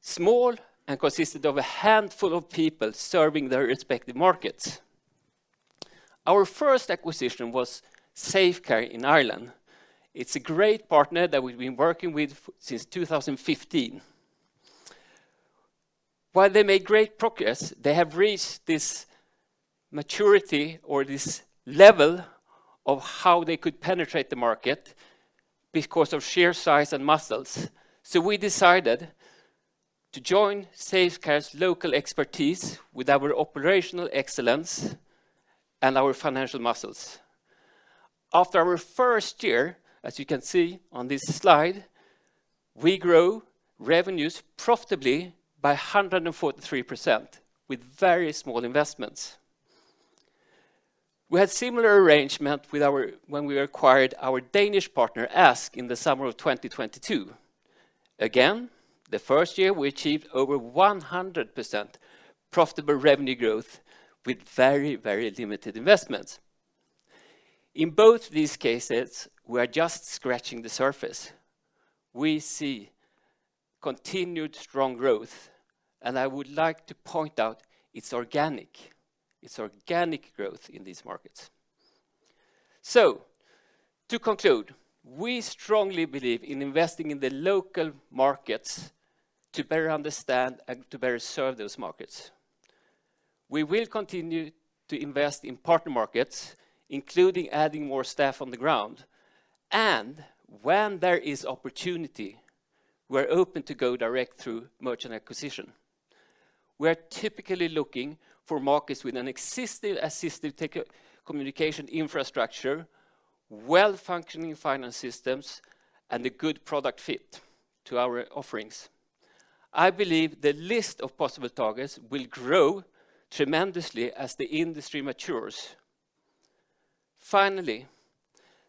S4: small and consisted of a handful of people serving their respective markets. Our first acquisition was Safe Care in Ireland. It's a great partner that we've been working with since 2015. While they made great progress, they have reached this maturity or this level of how they could penetrate the market because of sheer size and muscles. So we decided to join Safe Care's local expertise with our operational excellence and our financial muscles. After our first year, as you can see on this slide, we grow revenues profitably by 143% with very small investments. We had a similar arrangement when we acquired our Danish partner, ASK, in the summer of 2022. Again, the first year, we achieved over 100% profitable revenue growth with very, very limited investments. In both these cases, we are just scratching the surface. We see continued strong growth, and I would like to point out it's organic. It's organic growth in these markets. So to conclude, we strongly believe in investing in the local markets to better understand and to better serve those markets. We will continue to invest in partner markets, including adding more staff on the ground. When there is opportunity, we are open to go direct through merchant acquisition. We are typically looking for markets with an existing assistive communication infrastructure, well-functioning finance systems, and a good product fit to our offerings. I believe the list of possible targets will grow tremendously as the industry matures. Finally,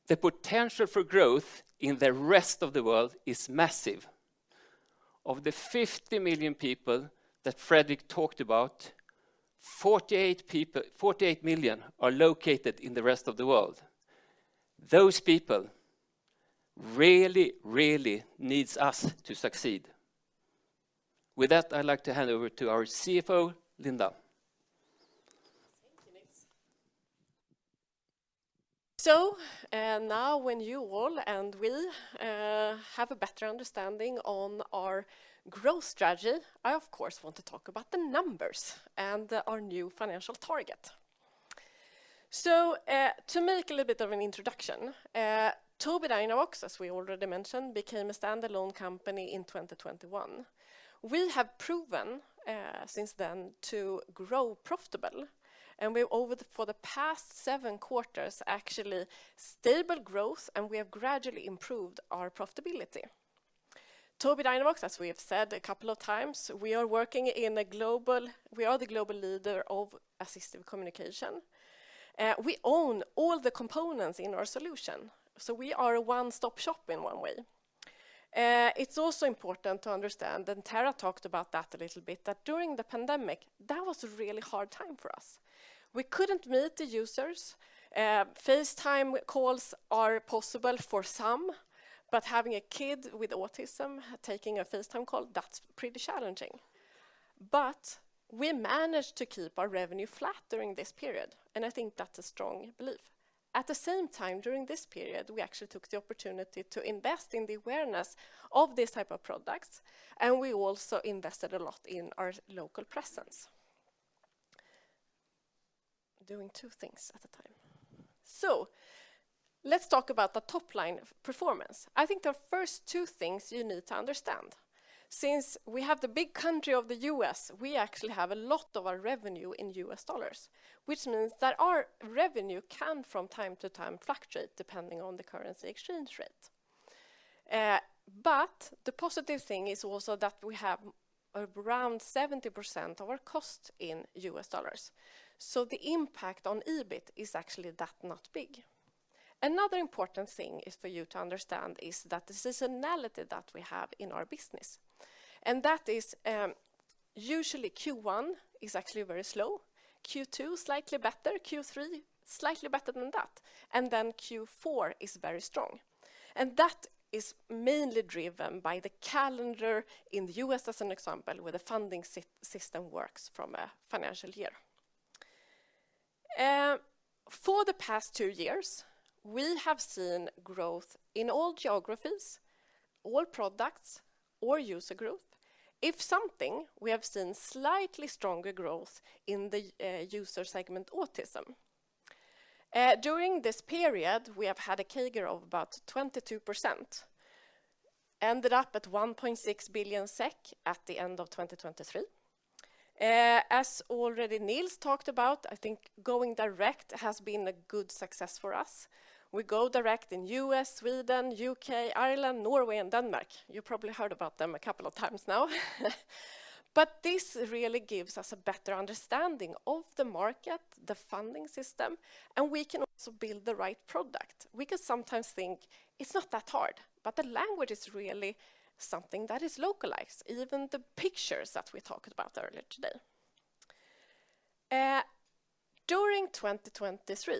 S4: the potential for growth in the rest of the world is massive. Of the 50 million people that Fredrik talked about, 48 million are located in the rest of the world. Those people really, really need us to succeed. With that, I'd like to hand over to our CFO, Linda.
S2: Thank you, Nils. So now when you all and we have a better understanding of our growth strategy, I, of course, want to talk about the numbers and our new financial target. So to make a little bit of an introduction, Tobii Dynavox, as we already mentioned, became a standalone company in 2021. We have proven since then to grow profitable. We've, over the past 7 quarters, actually stable growth, and we have gradually improved our profitability. Tobii Dynavox, as we have said a couple of times, we are the global leader of assistive communication. We own all the components in our solution, so we are a one-stop shop in one way. It's also important to understand, and Tara talked about that a little bit, that during the pandemic, that was a really hard time for us. We couldn't meet the users. FaceTime calls are possible for some, but having a kid with autism taking a FaceTime call, that's pretty challenging. We managed to keep our revenue flat during this period, and I think that's a strong belief. At the same time, during this period, we actually took the opportunity to invest in the awareness of this type of products. We also invested a lot in our local presence, doing two things at a time. So let's talk about the top-line performance. I think the first two things you need to understand, since we have the big country of the U.S., we actually have a lot of our revenue in U.S. dollars, which means that our revenue can, from time to time, fluctuate depending on the currency exchange rate. But the positive thing is also that we have around 70% of our costs in U.S. dollars. So the impact on EBIT is actually that not big. Another important thing for you to understand is that the seasonality that we have in our business, and that is usually Q1, is actually very slow, Q2 slightly better, Q3 slightly better than that, and then Q4 is very strong. And that is mainly driven by the calendar in the U.S., as an example, where the funding system works from a financial year. For the past two years, we have seen growth in all geographies, all products, or user growth. If something, we have seen slightly stronger growth in the user segment autism. During this period, we have had a CAGR of about 22%, ended up at 1.6 billion SEK at the end of 2023. As already Nils talked about, I think going direct has been a good success for us. We go direct in the U.S., Sweden, U.K., Ireland, Norway, and Denmark. You probably heard about them a couple of times now, but this really gives us a better understanding of the market, the funding system, and we can also build the right product. We can sometimes think it's not that hard, but the language is really something that is localized, even the pictures that we talked about earlier today. During 2023,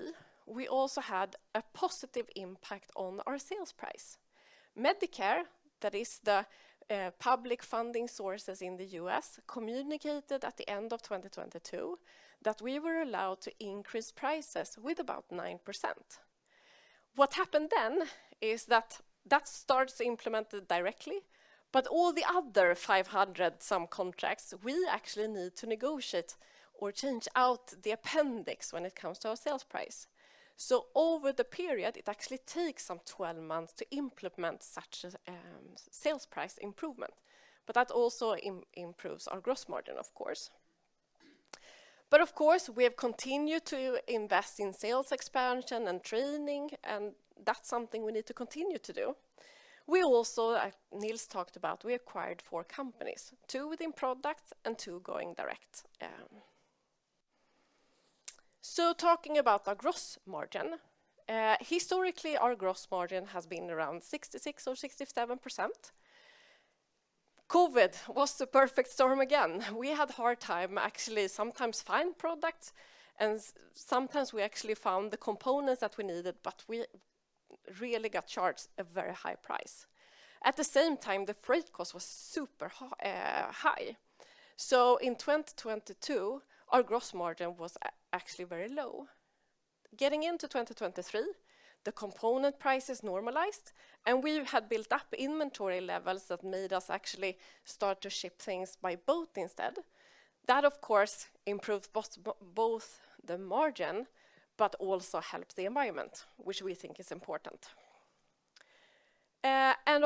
S2: we also had a positive impact on our sales price. Medicare, that is the public funding sources in the U.S., communicated at the end of 2022 that we were allowed to increase prices with about 9%. What happened then is that that starts to implement it directly. But all the other 500-some contracts, we actually need to negotiate or change out the appendix when it comes to our sales price. So over the period, it actually takes some 12 months to implement such a sales price improvement. But that also improves our gross margin, of course. But of course, we have continued to invest in sales expansion and training, and that's something we need to continue to do. We also, as Nils talked about, we acquired 4 companies, 2 within products and 2 going direct. So talking about our gross margin, historically, our gross margin has been around 66% or 67%. COVID was the perfect storm again. We had a hard time actually sometimes finding products, and sometimes we actually found the components that we needed, but we really got charged a very high price. At the same time, the freight cost was super high. So in 2022, our gross margin was actually very low. Getting into 2023, the component prices normalized, and we had built up inventory levels that made us actually start to ship things by boat instead. That, of course, improved both the margin but also helped the environment, which we think is important.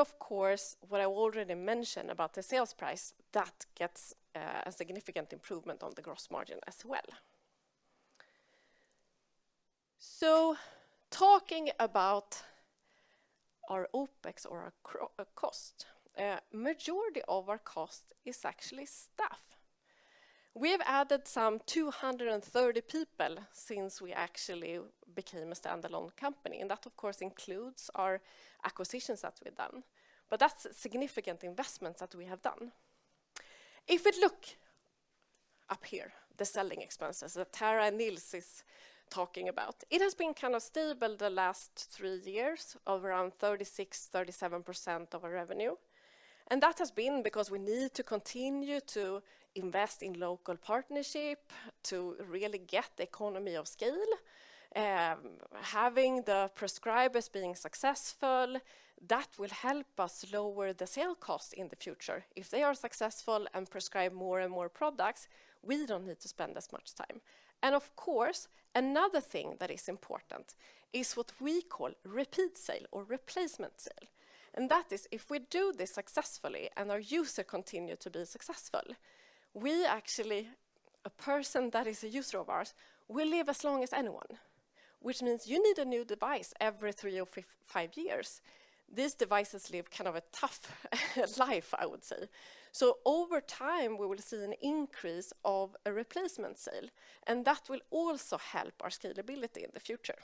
S2: Of course, what I already mentioned about the sales price, that gets a significant improvement on the gross margin as well. Talking about our OpEx or our cost, a majority of our cost is actually staff. We have added some 230 people since we actually became a standalone company, and that, of course, includes our acquisitions that we've done. That's significant investments that we have done. If we look up here, the selling expenses that Tara and Nils are talking about, it has been kind of stable the last 3 years of around 36%-37% of our revenue. That has been because we need to continue to invest in local partnerships to really get the economy of scale, having the prescribers being successful. That will help us lower the sale costs in the future. If they are successful and prescribe more and more products, we don't need to spend as much time. Of course, another thing that is important is what we call repeat sale or replacement sale. That is if we do this successfully and our user continues to be successful, we actually, a person that is a user of ours, will live as long as anyone, which means you need a new device every 3 or 5 years. These devices live kind of a tough life, I would say. Over time, we will see an increase of a replacement sale, and that will also help our scalability in the future.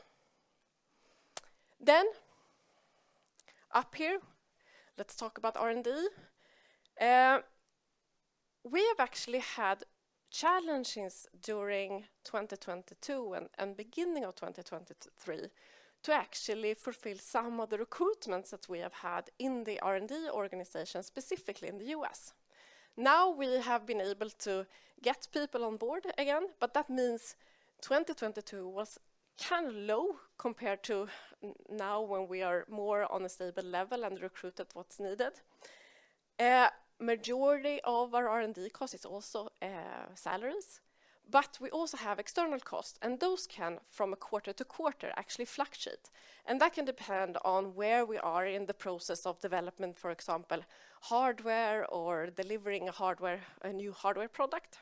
S2: Up here, let's talk about R&D. We have actually had challenges during 2022 and the beginning of 2023 to actually fulfill some of the recruitments that we have had in the R&D organization, specifically in the U.S. Now we have been able to get people on board again, but that means 2022 was kind of low compared to now when we are more on a stable level and recruited what's needed. The majority of our R&D costs are also salaries, but we also have external costs, and those can, from a quarter to quarter, actually fluctuate. That can depend on where we are in the process of development, for example, hardware or delivering hardware, a new hardware product.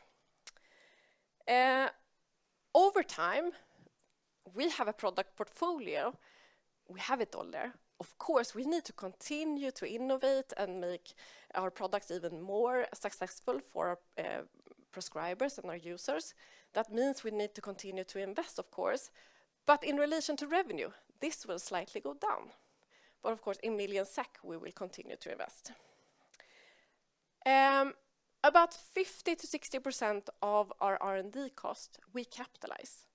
S2: Over time, we have a product portfolio. We have it all there. Of course, we need to continue to innovate and make our products even more successful for our prescribers and our users. That means we need to continue to invest, of course. In relation to revenue, this will slightly go down. Of course, in million SEK, we will continue to invest. About 50%-60% of our R&D costs we capitalize,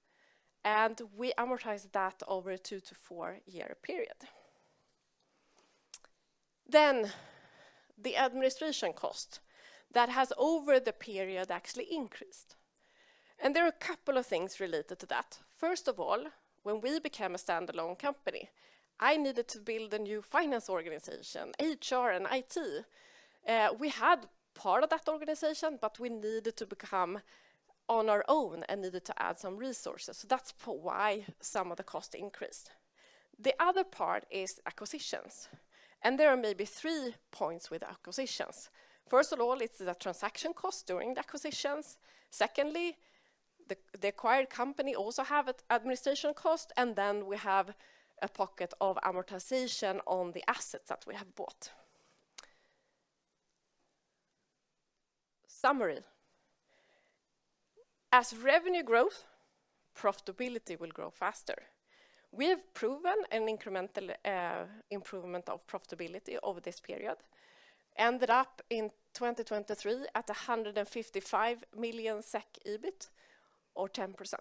S2: and we amortize that over a 2-4-year period. Then the administration cost that has over the period actually increased. And there are a couple of things related to that. First of all, when we became a standalone company, I needed to build a new finance organization, HR and IT. We had part of that organization, but we needed to become on our own and needed to add some resources. So that's why some of the costs increased. The other part is acquisitions, and there are maybe three points with acquisitions. First of all, it's the transaction cost during the acquisitions. Secondly, the acquired company also has an administration cost, and then we have a pocket of amortization on the assets that we have bought. Summary: As revenue grows, profitability will grow faster. We have proven an incremental improvement of profitability over this period, ended up in 2023 at 155 million SEK EBIT or 10%.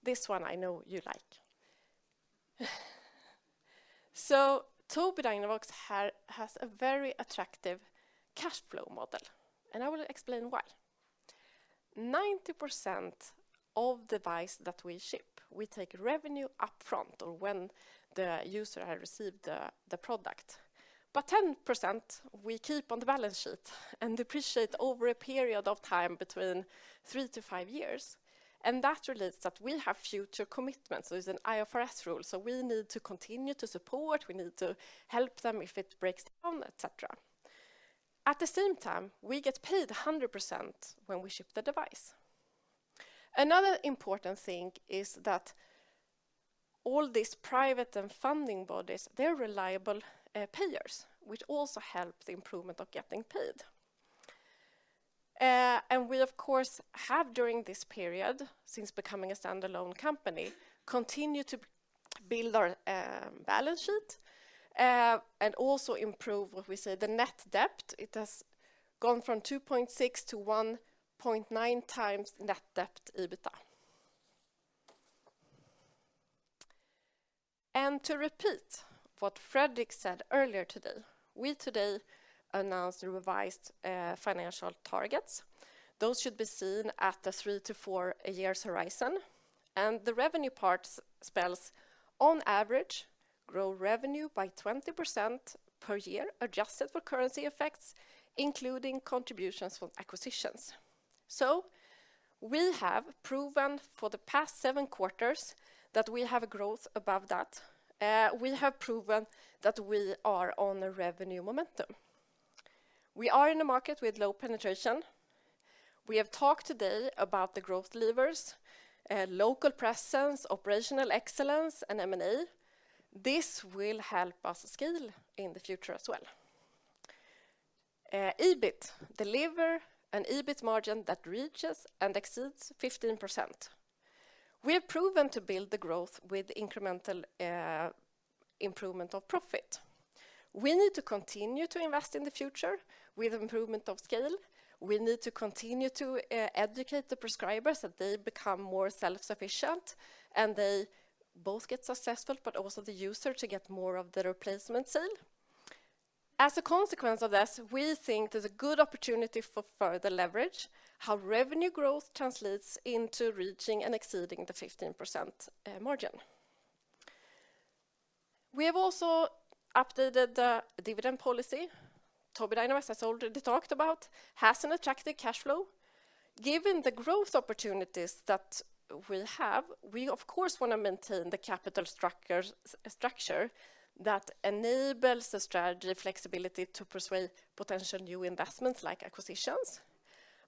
S2: This one I know you like. So Tobii Dynavox has a very attractive cash flow model, and I will explain why. 90% of the device that we ship, we take revenue upfront or when the user has received the product, but 10% we keep on the balance sheet and depreciate over a period of time between 3-5 years. And that relates to that. We have future commitments. So it's an IFRS rule. So we need to continue to support. We need to help them if it breaks down, etc. At the same time, we get paid 100% when we ship the device. Another important thing is that all these private funding bodies, they're reliable payers, which also helps the improvement of getting paid. We, of course, have during this period, since becoming a standalone company, continued to build our balance sheet and also improve what we say, the net debt. It has gone from 2.6 to 1.9 times net debt EBITDA. To repeat what Fredrik said earlier today, we today announced the revised financial targets. Those should be seen at the 3-4 year horizon. The revenue part spells, on average, grow revenue by 20% per year, adjusted for currency effects, including contributions from acquisitions. So we have proven for the past 7 quarters that we have a growth above that. We have proven that we are on a revenue momentum. We are in a market with low penetration. We have talked today about the growth levers, local presence, operational excellence, and M&A. This will help us scale in the future as well. EBIT delivers an EBIT margin that reaches and exceeds 15%. We have proven to build the growth with incremental improvement of profit. We need to continue to invest in the future with improvement of scale. We need to continue to educate the prescribers that they become more self-sufficient and they both get successful, but also the user to get more of the replacement sale. As a consequence of this, we think there's a good opportunity for further leverage. How revenue growth translates into reaching and exceeding the 15% margin. We have also updated the dividend policy. Tobii Dynavox has already talked about it, has an attractive cash flow. Given the growth opportunities that we have, we, of course, want to maintain the capital structure that enables the strategy flexibility to pursue potential new investments like acquisitions,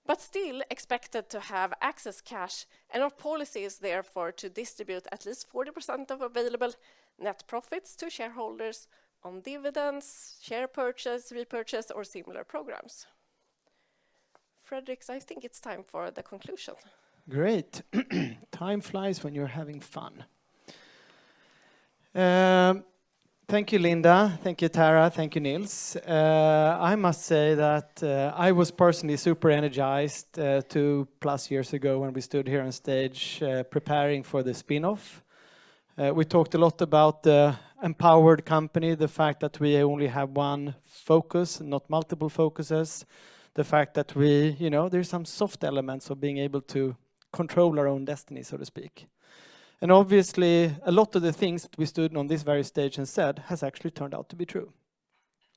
S2: but still expected to have access to cash and our policies, therefore, to distribute at least 40% of available net profits to shareholders on dividends, share purchase, repurchase, or similar programs. Fredrik, I think it's time for the conclusion.
S1: Great. Time flies when you're having fun. Thank you, Linda. Thank you, Tara. Thank you, Nils. I must say that I was personally super energized 2+ years ago when we stood here on stage preparing for the spinoff. We talked a lot about the empowered company, the fact that we only have one focus, not multiple focuses, the fact that we, you know, there are some soft elements of being able to control our own destiny, so to speak. Obviously, a lot of the things we stood on this very stage and said have actually turned out to be true.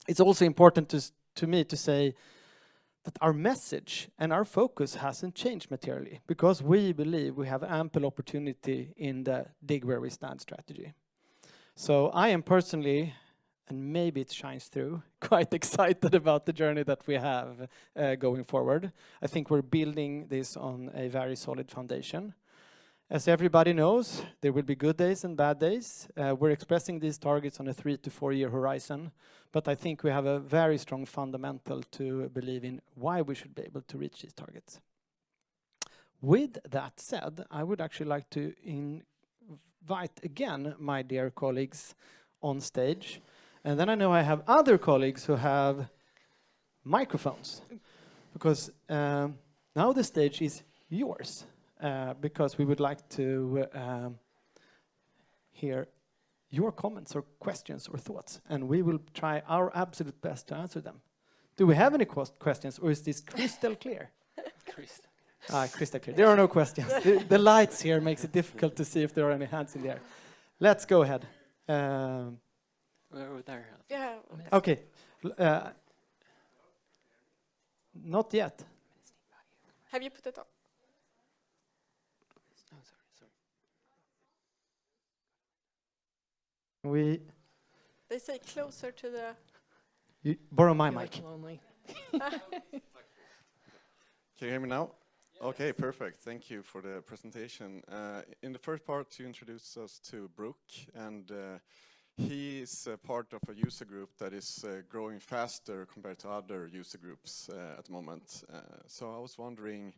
S1: It's also important to me to say that our message and our focus hasn't changed materially because we believe we have ample opportunity in the dig where we stand strategy. I am personally, and maybe it shines through, quite excited about the journey that we have going forward. I think we're building this on a very solid foundation. As everybody knows, there will be good days and bad days. We're expressing these targets on a 3-4 year horizon. I think we have a very strong fundamental to believe in why we should be able to reach these targets. With that said, I would actually like to invite again my dear colleagues on stage. Then I know I have other colleagues who have microphones because now the stage is yours, because we would like to hear your comments or questions or thoughts, and we will try our absolute best to answer them. Do we have any questions or is this crystal clear? Crystal clear. There are no questions. The lights here make it difficult to see if there are any hands in the air. Let's go ahead. Over there. Yeah. Okay. Not yet. Have you put it on? No, sorry, sorry. Borrow my mic. Can you hear me now?
S6: Okay, perfect. Thank you for the presentation. In the first part, you introduced us to Brock, and he's part of a user group that is growing faster compared to other user groups at the moment. So I was wondering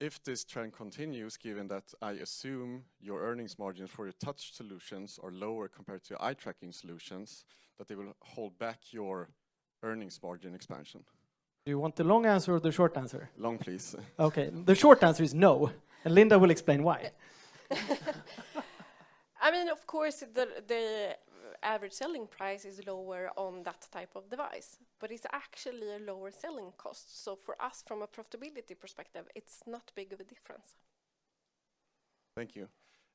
S6: if this trend continues, given that I assume your earnings margins for your touch solutions are lower compared to your eye tracking solutions, that they will hold back your earnings margin expansion.
S1: Do you want the long answer or the short answer?
S6: Long, please.
S1: Okay. The short answer is no. And Linda will explain why.
S2: I mean, of course, the average selling price is lower on that type of device, but it's actually a lower selling cost. So for us, from a profitability perspective, it's not big of a difference.
S6: Thank you.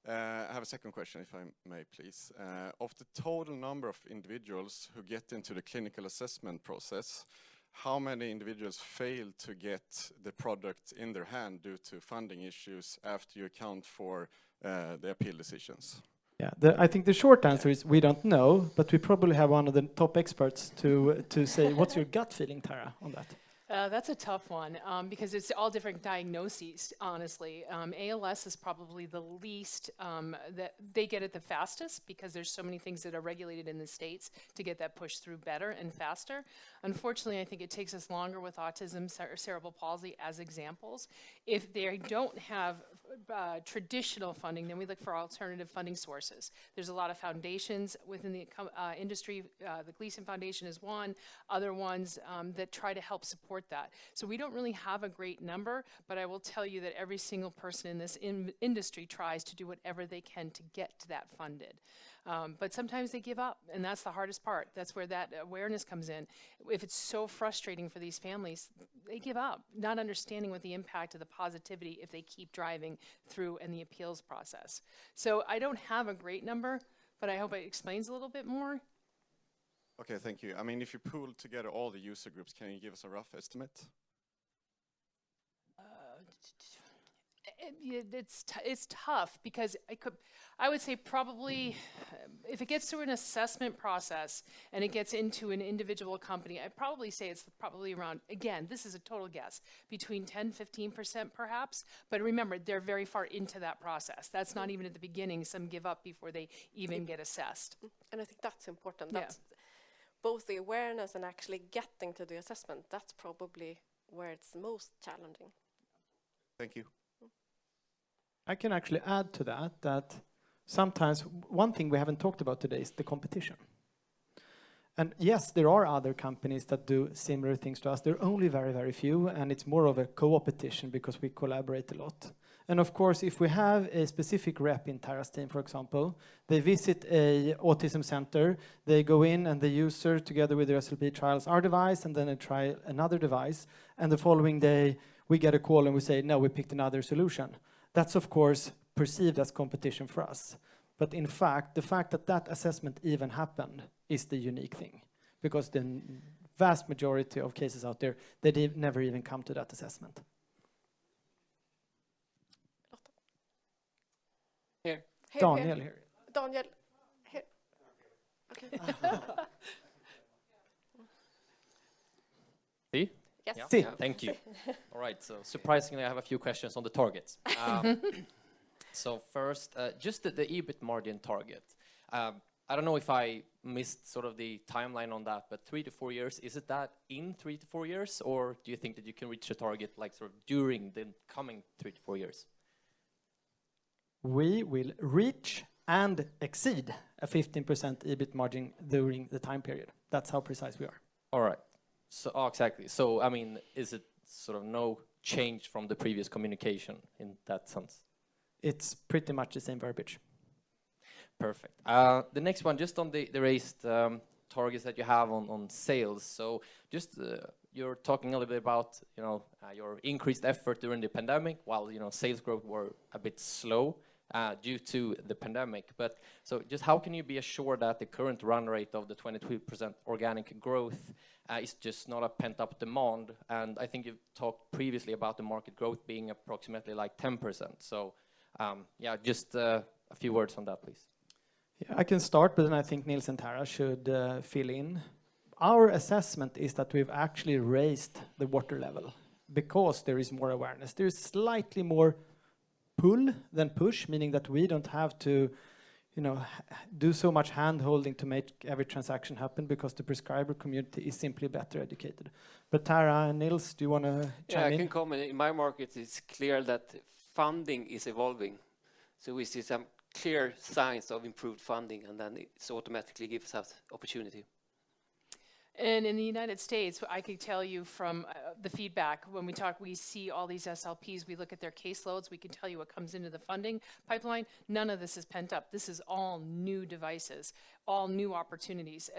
S6: I have a second question, if I may, please. Of the total number of individuals who get into the clinical assessment process, how many individuals fail to get the product in their hand due to funding issues? Do you account for the appeal decisions?
S1: Yeah, I think the short answer is we don't know, but we probably have one of the top experts to say what's your gut feeling, Tara, on that?
S3: That's a tough one because it's all different diagnoses. Honestly, ALS is probably the least that they get at the fastest because there's so many things that are regulated in the states to get that pushed through better and faster. Unfortunately, I think it takes us longer with autism or cerebral palsy as examples. If they don't have traditional funding, then we look for alternative funding sources. There's a lot of foundations within the industry. The Gleason Foundation is one. Other ones that try to help support that. So we don't really have a great number. But I will tell you that every single person in this industry tries to do whatever they can to get that funded. But sometimes they give up, and that's the hardest part. That's where that awareness comes in. If it's so frustrating for these families, they give up, not understanding what the impact of the positivity is if they keep driving through in the appeals process. So I don't have a great number, but I hope it explains a little bit more.
S6: Okay, thank you. I mean, if you pool together all the user groups, can you give us a rough estimate?
S3: It's tough because I would say probably if it gets to an assessment process and it gets into an individual company, I'd probably say it's probably around, again, this is a total guess, between 10%-15%, perhaps. But remember, they're very far into that process. That's not even at the beginning. Some give up before they even get assessed. And I think that's important. That's both the awareness and actually getting to the assessment. That's probably where it's most challenging.
S6: Thank you.
S1: I can actually add to that that sometimes one thing we haven't talked about today is the competition. Yes, there are other companies that do similar things to us. There are only very, very few, and it's more of a co-opetition because we collaborate a lot. Of course, if we have a specific rep in Tara's team, for example, they visit an autism center, they go in and the user, together with the SLP trials, our device, and then they try another device. The following day we get a call and we say, "No, we picked another solution." That's, of course, perceived as competition for us. But in fact, the fact that that assessment even happened is the unique thing because the vast majority of cases out there, they never even come to that assessment. Daniel here. Daniel here. Okay. Yes.
S7: Thank you. All right. So surprisingly, I have a few questions on the targets. So first, just the EBIT margin target. I don't know if I missed sort of the timeline on that, but 3-4 years, is it that in 3-4 years or do you think that you can reach a target like sort of during the coming 3-4 years? We will reach and exceed a 15% EBIT margin during the time period. That's how precise we are. All right. So exactly. So I mean, is it sort of no change from the previous communication in that sense?
S1: It's pretty much the same verbiage.
S7: Perfect. The next one, just on the raised targets that you have on sales. So just you're talking a little bit about your increased effort during the pandemic while sales growth were a bit slow due to the pandemic. But so just how can you be assured that the current run rate of the 22% organic growth is just not a pent-up demand? And I think you've talked previously about the market growth being approximately like 10%. So yeah, just a few words on that, please.
S1: Yeah, I can start, but then I think Nils and Tara should fill in. Our assessment is that we've actually raised the water level because there is more awareness. There's slightly more pull than push, meaning that we don't have to do so much hand-holding to make every transaction happen because the prescriber community is simply better educated. But Tara and Nils, do you want to chime in?
S4: I can comment. In my market, it's clear that funding is evolving. So we see some clear signs of improved funding, and then it automatically gives us opportunity.
S3: In the United States, I could tell you from the feedback when we talk. We see all these SLPs. We look at their caseloads. We can tell you what comes into the funding pipeline. None of this is pent-up. This is all new devices, all new opportunities.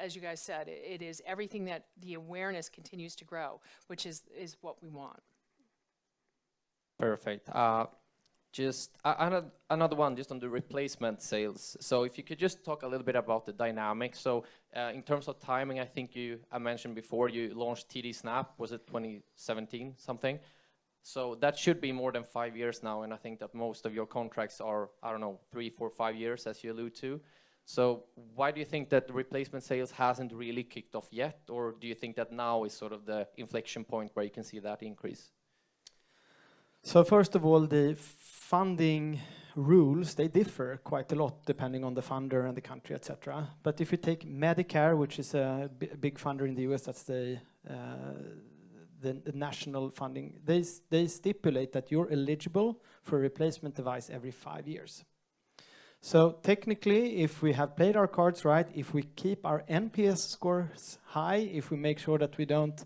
S3: As you guys said, it is everything that the awareness continues to grow, which is what we want.
S7: Perfect. Just another one, just on the replacement sales. So if you could just talk a little bit about the dynamic. So in terms of timing, I think you mentioned before you launched TD Snap, was it 2017 something? That should be more than five years now. I think that most of your contracts are, I don't know, three, four, five years as you allude to. Why do you think that the replacement sales hasn't really kicked off yet? Or do you think that now is sort of the inflection point where you can see that increase?
S1: First of all, the funding rules, they differ quite a lot depending on the funder and the country, etc. But if you take Medicare, which is a big funder in the U.S., that's the national funding, they stipulate that you're eligible for a replacement device every five years. So technically, if we have played our cards right, if we keep our NPS scores high, if we make sure that we don't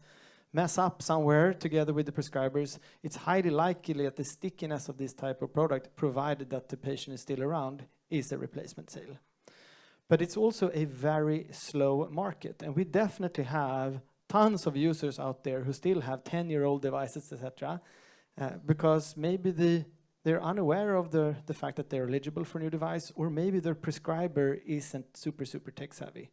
S1: mess up somewhere together with the prescribers, it's highly likely that the stickiness of this type of product, provided that the patient is still around, is a replacement sale. But it's also a very slow market. And we definitely have tons of users out there who still have 10 year-old devices, etc., because maybe they're unaware of the fact that they're eligible for a new device or maybe their prescriber isn't super, super tech-savvy.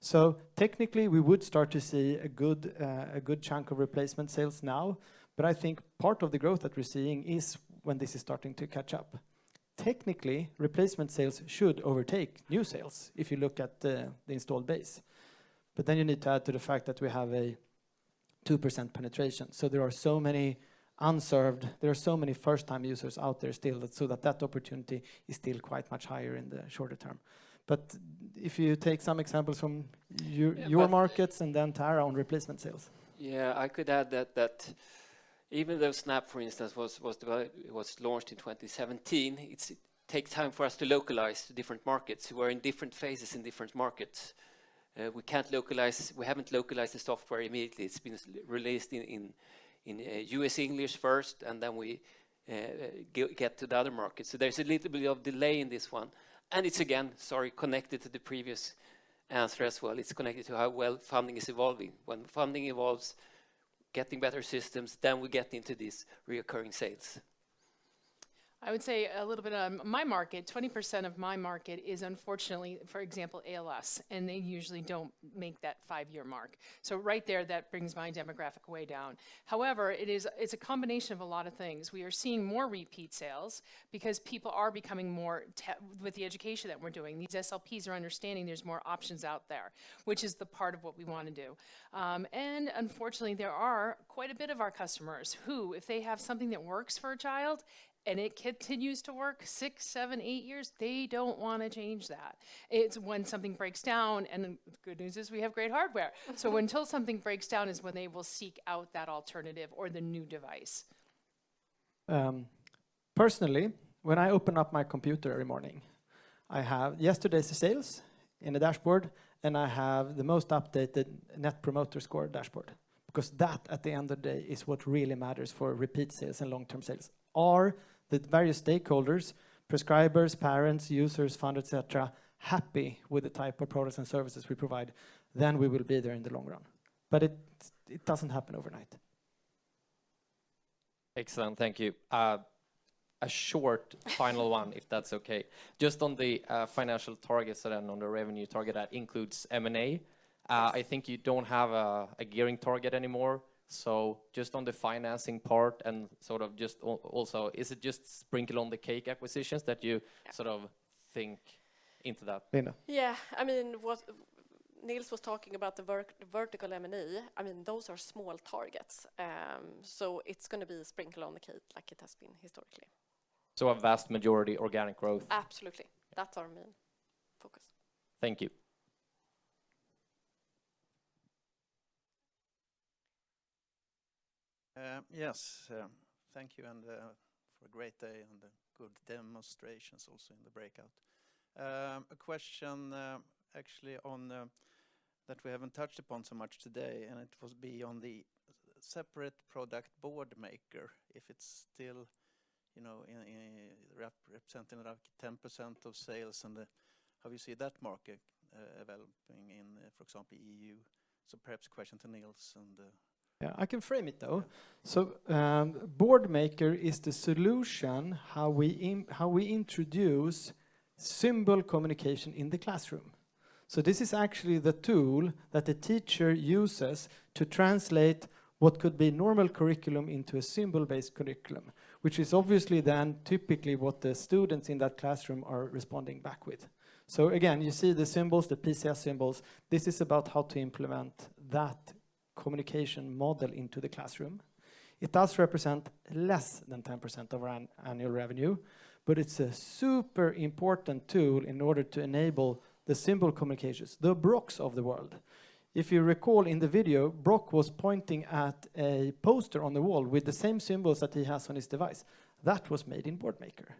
S1: So technically, we would start to see a good chunk of replacement sales now. But I think part of the growth that we're seeing is when this is starting to catch up. Technically, replacement sales should overtake new sales if you look at the installed base. But then you need to add to the fact that we have a 2% penetration. So there are so many unserved, there are so many first-time users out there still, so that opportunity is still quite much higher in the shorter term. But if you take some examples from your markets and then Tara on replacement sales.
S7: Yeah, I could add that even though Snap, for instance, was launched in 2017, it takes time for us to localize to different markets. We're in different phases in different markets. We can't localize, we haven't localized the software immediately. It's been released in U.S. English first, and then we get to the other markets. So there's a little bit of delay in this one. And it's, again, sorry, connected to the previous answer as well. It's connected to how well funding is evolving. When funding evolves, getting better systems, then we get into these recurring sales.
S3: I would say a little bit of my market, 20% of my market is unfortunately, for example, ALS, and they usually don't make that 5-year mark. So right there, that brings my demographic way down. However, it's a combination of a lot of things. We are seeing more repeat sales because people are becoming more with the education that we're doing. These SLPs are understanding there's more options out there, which is the part of what we want to do. And unfortunately, there are quite a bit of our customers who, if they have something that works for a child and it continues to work 6, 7, 8 years, they don't want to change that. It's when something breaks down. And the good news is we have great hardware. So until something breaks down is when they will seek out that alternative or the new device.
S1: Personally, when I open up my computer every morning, I have yesterday's sales in the dashboard, and I have the most updated Net Promoter Score dashboard because that, at the end of the day, is what really matters for repeat sales and long-term sales. Are the various stakeholders, prescribers, parents, users, funders, etc., happy with the type of products and services we provide? Then we will be there in the long run. But it doesn't happen overnight.
S7: Excellent. Thank you. A short final one, if that's okay. Just on the financial targets and on the revenue target, that includes M&A. I think you don't have a gearing target anymore. So just on the financing part and sort of just also, is it just sprinkle-on-the-cake acquisitions that you sort of think into that? Linda.
S2: Yeah. I mean, what Nils was talking about, the vertical M&A, I mean, those are small targets. So it's going to be sprinkle-on-the-cake like it has been historically.
S7: So a vast majority organic growth.
S2: Absolutely. That's our main focus. Thank you.
S8: Yes. Thank you. And for a great day and good demonstrations also in the breakout. A question actually that we haven't touched upon so much today, and it would be on the separate product Boardmaker, if it's still representing like 10% of sales. And how do you see that market developing in, for example, EU? So perhaps a question to Nils and.
S1: Yeah, I can frame it though. So Boardmaker is the solution, how we introduce symbol communication in the classroom. So this is actually the tool that the teacher uses to translate what could be normal curriculum into a symbol-based curriculum, which is obviously then typically what the students in that classroom are responding back with. So again, you see the symbols, the PCS symbols. This is about how to implement that communication model into the classroom. It does represent less than 10% of our annual revenue, but it's a super important tool in order to enable the symbol communications, the Brocks of the world. If you recall in the video, Brock was pointing at a poster on the wall with the same symbols that he has on his device. That was made in Boardmaker.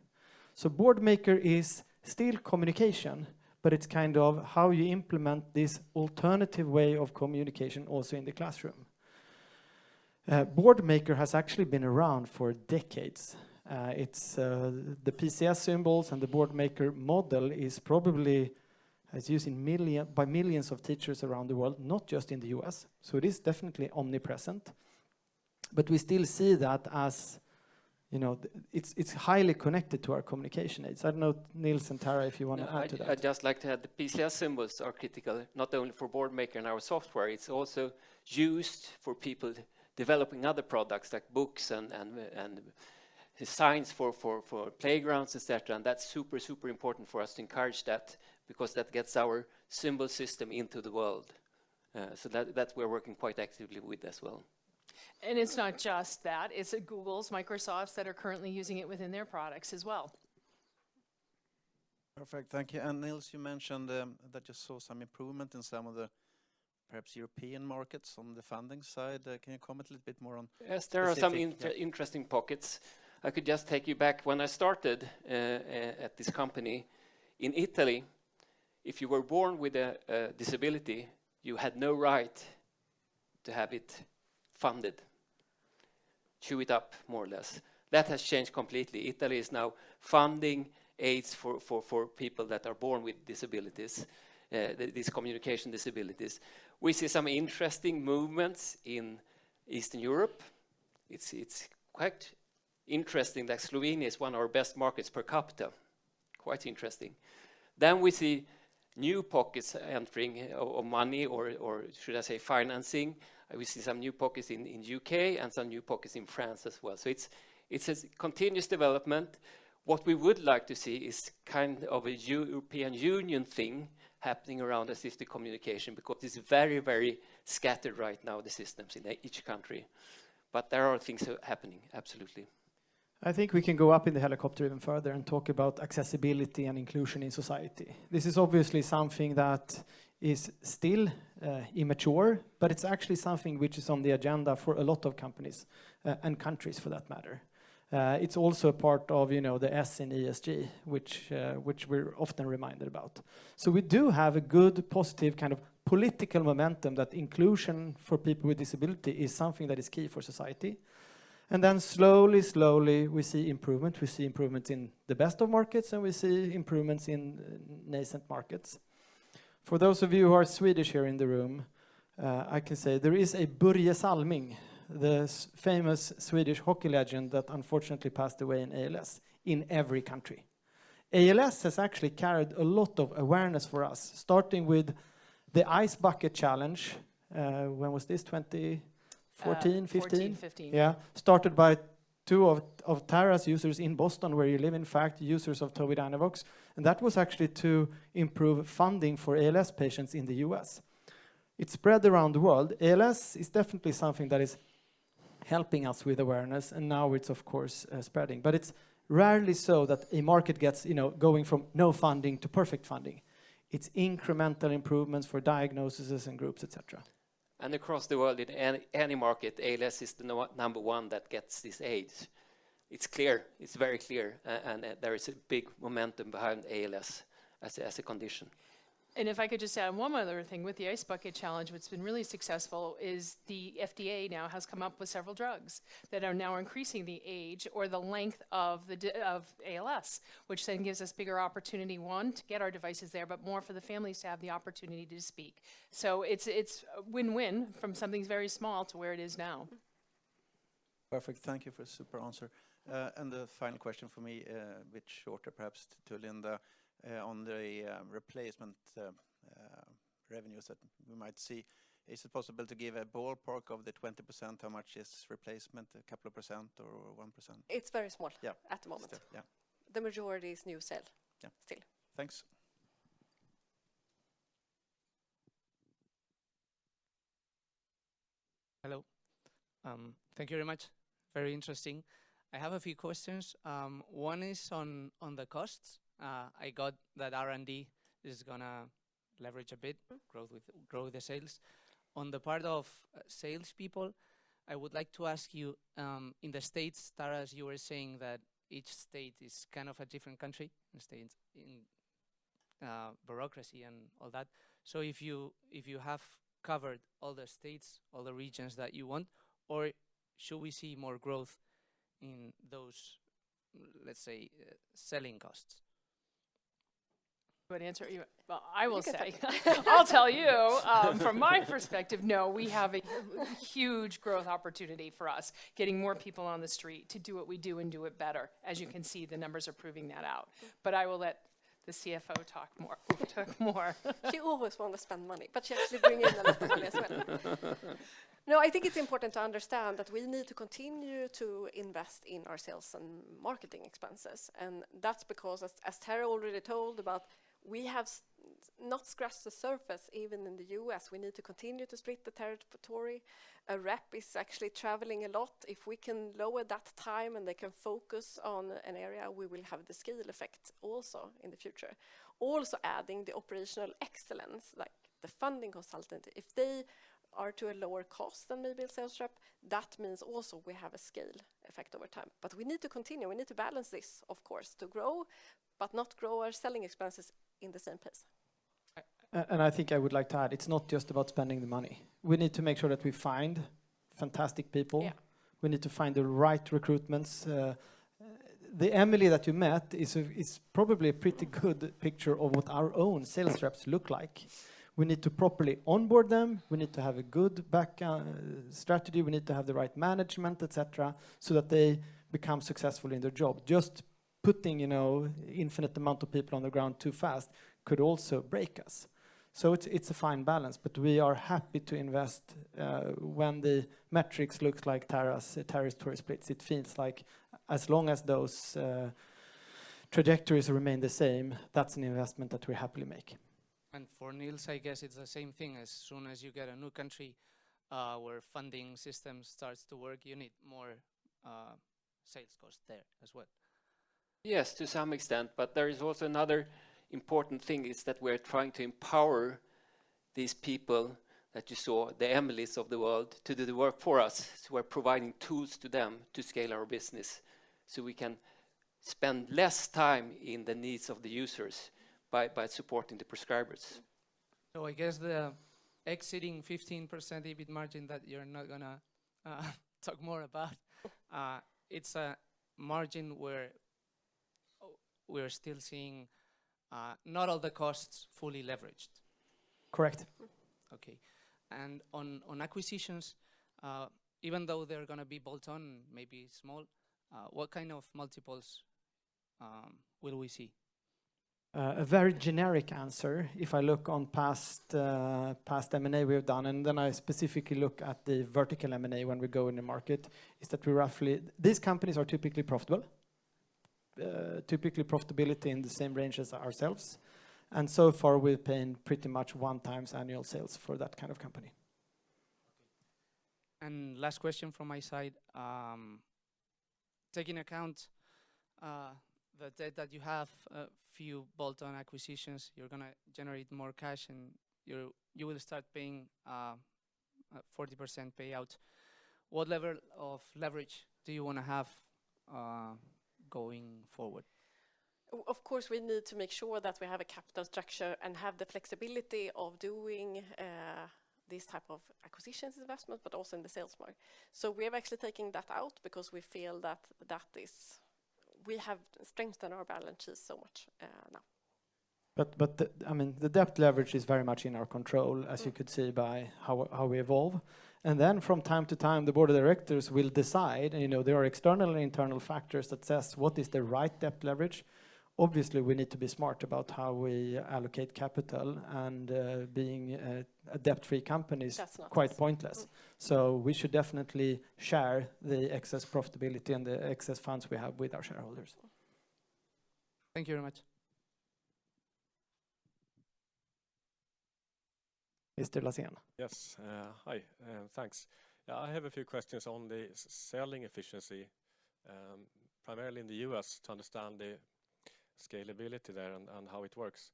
S1: So Boardmaker is still communication, but it's kind of how you implement this alternative way of communication also in the classroom. Boardmaker has actually been around for decades. The PCS symbols and the Boardmaker model is probably used by millions of teachers around the world, not just in the US. So it is definitely omnipresent. But we still see that as it's highly connected to our communication aids. I don't know, Nils and Tara, if you want to add to that.
S4: I'd just like to add the PCS symbols are critical, not only for Boardmaker and our software. It's also used for people developing other products like books and signs for playgrounds, etc. And that's super, super important for us to encourage that because that gets our symbol system into the world. So that's what we're working quite actively with as well.
S3: And it's not just that. It's Google's, Microsoft's that are currently using it within their products as well. Perfect. Thank you. And Nils, you mentioned that you saw some improvement in some of the perhaps European markets on the funding side. Can you comment a little bit more on.
S4: Yes, there are some interesting pockets. I could just take you back. When I started at this company in Italy, if you were born with a disability, you had no right to have it funded, chuck it up, more or less. That has changed completely. Italy is now funding aids for people that are born with disabilities, these communication disabilities. We see some interesting movements in Eastern Europe. It's quite interesting that Slovenia is one of our best markets per capita. Quite interesting. Then we see new pockets entering or money, or should I say financing? We see some new pockets in the UK and some new pockets in France as well. So it's a continuous development. What we would like to see is kind of a European Union thing happening around assistive communication because it's very, very scattered right now, the systems in each country. But there are things happening, absolutely.
S1: I think we can go up in the helicopter even further and talk about accessibility and inclusion in society. This is obviously something that is still immature, but it's actually something which is on the agenda for a lot of companies and countries, for that matter. It's also a part of the S in ESG, which we're often reminded about. So we do have a good, positive kind of political momentum that inclusion for people with disability is something that is key for society. And then slowly, slowly, we see improvement. We see improvements in the best of markets, and we see improvements in nascent markets. For those of you who are Swedish here in the room, I can say there is a Börje Salming, the famous Swedish hockey legend that unfortunately passed away in ALS, in every country. ALS has actually carried a lot of awareness for us, starting with the Ice Bucket Challenge. When was this? 2014, 2015? 2014, 2015. Yeah. Started by two of Tara's users in Boston, where you live, in fact, users of Tobii Dynavox. And that was actually to improve funding for ALS patients in the U.S. It spread around the world. ALS is definitely something that is helping us with awareness. And now it's, of course, spreading. But it's rarely so that a market gets going from no funding to perfect funding. It's incremental improvements for diagnoses and groups, etc.
S4: And across the world, in any market, ALS is the number one that gets these aids. It's clear. It's very clear. There is a big momentum behind ALS as a condition.
S3: If I could just add one more thing with the Ice Bucket Challenge, what's been really successful is the FDA now has come up with several drugs that are now increasing the age or the length of ALS, which then gives us bigger opportunity, one, to get our devices there, but more for the families to have the opportunity to speak. So it's a win-win from something very small to where it is now.
S8: Perfect. Thank you for a super answer. The final question for me, a bit shorter perhaps, to Linda, on the replacement revenues that we might see. Is it possible to give a ballpark of the 20%, how much is replacement, a couple of percent or 1%?
S3: It's very small at the moment. The majority is new sale still.
S8: Thanks.
S9: Hello. Thank you very much. Very interesting. I have a few questions. One is on the costs. I got that R&D is going to leverage a bit, grow the sales. On the part of salespeople, I would like to ask you, in the states, Tara, as you were saying, that each state is kind of a different country, the states in bureaucracy and all that. So if you have covered all the states, all the regions that you want, or should we see more growth in those, let's say, selling costs?
S3: You want to answer? Well, I will say. I'll tell you, from my perspective, no, we have a huge growth opportunity for us, getting more people on the street to do what we do and do it better. As you can see, the numbers are proving that out. But I will let the CFO talk more.
S2: She always wants to spend money, but she actually brings in the money as well. No, I think it's important to understand that we need to continue to invest in our sales and marketing expenses. That's because, as Tara already told about, we have not scratched the surface. Even in the U.S., we need to continue to split the territory. A rep is actually traveling a lot. If we can lower that time and they can focus on an area, we will have the scale effect also in the future. Also adding the operational excellence, like the funding consultant, if they are to a lower cost than maybe a sales rep, that means also we have a scale effect over time. But we need to continue. We need to balance this, of course, to grow, but not grow our selling expenses in the same pace.
S1: And I think I would like to add, it's not just about spending the money. We need to make sure that we find fantastic people. We need to find the right recruitments. The Emily that you met is probably a pretty good picture of what our own sales reps look like. We need to properly onboard them. We need to have a good background strategy. We need to have the right management, etc., so that they become successful in their job. Just putting an infinite amount of people on the ground too fast could also break us. So it's a fine balance. But we are happy to invest when the metrics look like Tara's story splits. It feels like as long as those trajectories remain the same, that's an investment that we happily make.
S9: And for Nils, I guess it's the same thing. As soon as you get a new country where funding systems start to work, you need more sales costs there as well.
S4: Yes, to some extent. But there is also another important thing, is that we are trying to empower these people that you saw, the Emilys of the world, to do the work for us. We are providing tools to them to scale our business so we can spend less time in the needs of the users by supporting the prescribers.
S9: So I guess the existing 15% EBIT margin that you're not going to talk more about, it's a margin where we are still seeing not all the costs fully leveraged.
S1: Correct.
S9: Okay. And on acquisitions, even though they're going to be bolt-on, maybe small, what kind of multiples will we see?
S1: A very generic answer, if I look on past M&A we have done, and then I specifically look at the vertical M&A when we go in the market, is that these companies are typically profitable, typically profitability in the same range as ourselves. And so far, we've paid pretty much 1x annual sales for that kind of company.
S9: Okay. And last question from my side. Taking account the debt that you have, a few bolt-on acquisitions, you're going to generate more cash, and you will start paying a 40% payout. What level of leverage do you want to have going forward?
S2: Of course, we need to make sure that we have a capital structure and have the flexibility of doing this type of acquisitions investment, but also in the sales market. So we are actually taking that out because we feel that we have strengthened our balance sheet so much now.
S1: But I mean, the debt leverage is very much in our control, as you could see by how we evolve. And then from time to time, the board of directors will decide. And there are external and internal factors that say what is the right debt leverage. Obviously, we need to be smart about how we allocate capital. And being a debt-free company is quite pointless. So we should definitely share the excess profitability and the excess funds we have with our shareholders.
S9: Thank you very much.
S1: Mr. Laséen.
S10: Yes. Hi. Thanks. I have a few questions on the selling efficiency, primarily in the U.S., to understand the scalability there and how it works.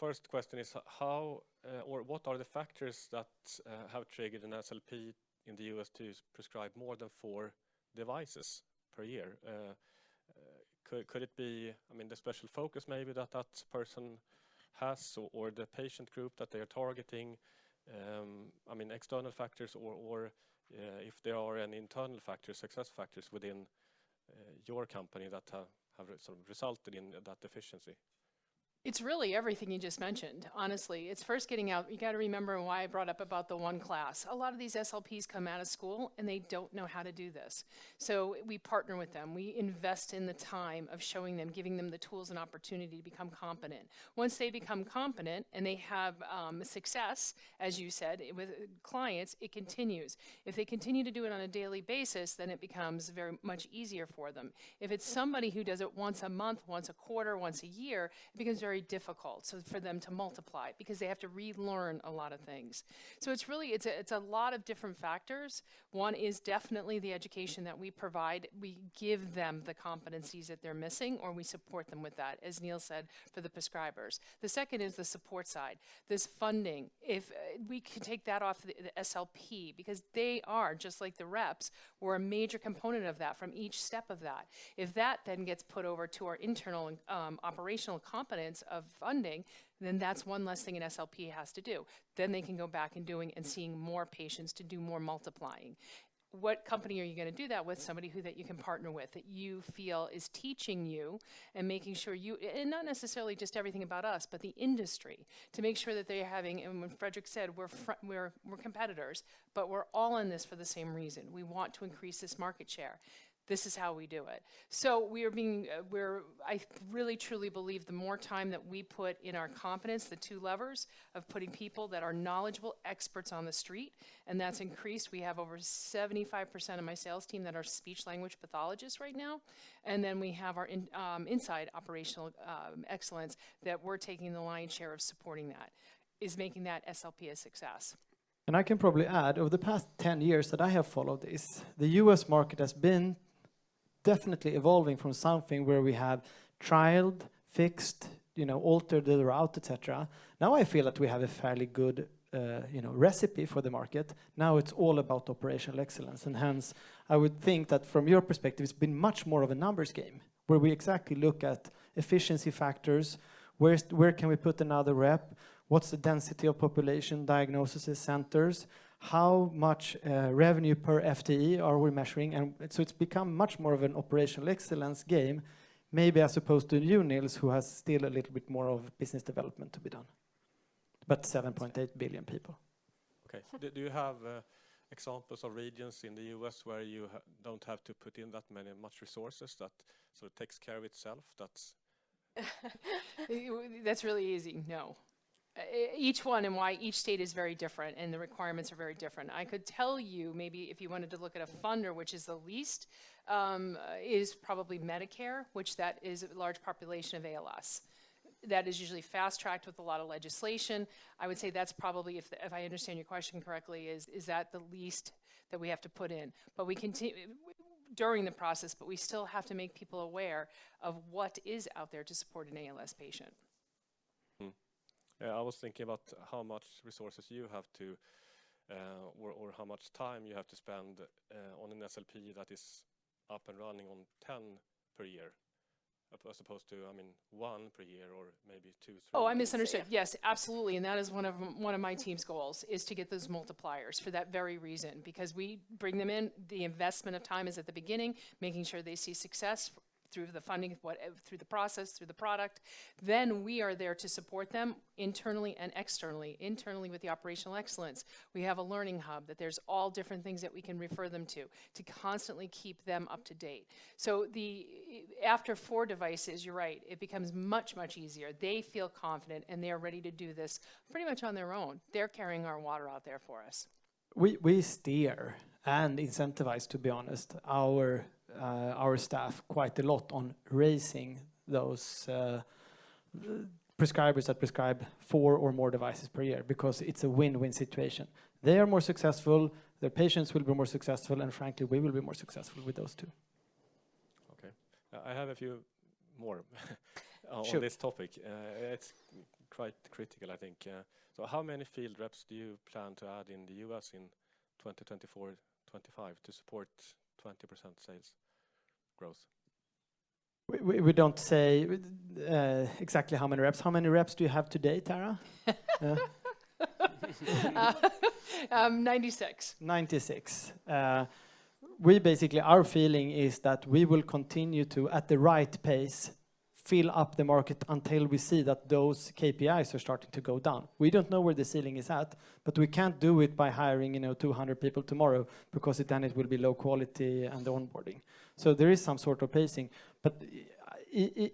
S10: First question is, what are the factors that have triggered an SLP in the U.S. to prescribe more than four devices per year? Could it be the special focus maybe that that person has or the patient group that they are targeting, external factors, or if there are any internal factors, success factors within your company that have resulted in that efficiency?
S3: It's really everything you just mentioned, honestly. It's first getting out. You got to remember why I brought up about the one class. A lot of these SLPs come out of school, and they don't know how to do this. So we partner with them. We invest in the time of showing them, giving them the tools and opportunity to become competent. Once they become competent and they have success, as you said, with clients, it continues. If they continue to do it on a daily basis, then it becomes very much easier for them. If it's somebody who does it once a month, once a quarter, once a year, it becomes very difficult for them to multiply because they have to relearn a lot of things. So it's a lot of different factors. One is definitely the education that we provide. We give them the competencies that they're missing, or we support them with that, as Nils said, for the prescribers. The second is the support side, this funding. If we could take that off the SLP because they are, just like the reps, we're a major component of that from each step of that. If that then gets put over to our internal operational competence of funding, then that's one less thing an SLP has to do. Then they can go back and doing and seeing more patients to do more multiplying. What company are you going to do that with, somebody that you can partner with, that you feel is teaching you and making sure you and not necessarily just everything about us, but the industry, to make sure that they're having and Fredrik said, "We're competitors, but we're all in this for the same reason. We want to increase this market share. This is how we do it." So we are being. I really, truly believe the more time that we put in our competence, the two levers of putting people that are knowledgeable experts on the street and that's increased. We have over 75% of my sales team that are speech-language pathologists right now. And then we have our inside operational excellence that we're taking the lion's share of supporting that is making that SLP a success.
S1: And I can probably add, over the past 10 years that I have followed this, the U.S. market has been definitely evolving from something where we have trialed, fixed, altered the route, etc. Now I feel that we have a fairly good recipe for the market. Now it's all about operational excellence. And hence, I would think that from your perspective, it's been much more of a numbers game where we exactly look at efficiency factors, where can we put another rep, what's the density of population diagnosis centers, how much revenue per FTE are we measuring. It's become much more of an operational excellence game, maybe as opposed to you, Nils, who has still a little bit more of business development to be done, but 7.8 billion people.
S10: Okay. Do you have examples of regions in the U.S. where you don't have to put in that many resources that sort of takes care of itself?
S3: That's really easy. No. Each one and why each state is very different and the requirements are very different. I could tell you maybe if you wanted to look at a funder, which is the least, is probably Medicare, which that is a large population of ALS. That is usually fast-tracked with a lot of legislation. I would say that's probably, if I understand your question correctly, is that the least that we have to put in during the process. But we still have to make people aware of what is out there to support an ALS patient.
S10: Yeah. I was thinking about how much resources you have to or how much time you have to spend on an SLP that is up and running on 10 per year as opposed to, I mean, one per year or maybe two.
S3: Oh, I misunderstood. Yes, absolutely. And that is one of my team's goals, is to get those multipliers for that very reason because we bring them in. The investment of time is at the beginning, making sure they see success through the funding, through the process, through the product. Then we are there to support them internally and externally, internally with the operational excellence. We have a learning hub that there's all different things that we can refer them to to constantly keep them up to date. So after four devices, you're right, it becomes much, much easier. They feel confident, and they are ready to do this pretty much on their own. They're carrying our water out there for us.
S1: We steer and incentivize, to be honest, our staff quite a lot on raising those prescribers that prescribe four or more devices per year because it's a win-win situation. They are more successful. Their patients will be more successful. And frankly, we will be more successful with those two.
S10: Okay. I have a few more on this topic. It's quite critical, I think. So how many field reps do you plan to add in the U.S. in 2024-2025 to support 20% sales growth?
S1: We don't say exactly how many reps. How many reps do you have today, Tara? 96. 96. Our feeling is that we will continue to, at the right pace, fill up the market until we see that those KPIs are starting to go down. We don't know where the ceiling is at, but we can't do it by hiring 200 people tomorrow because then it will be low quality and onboarding. So there is some sort of pacing. But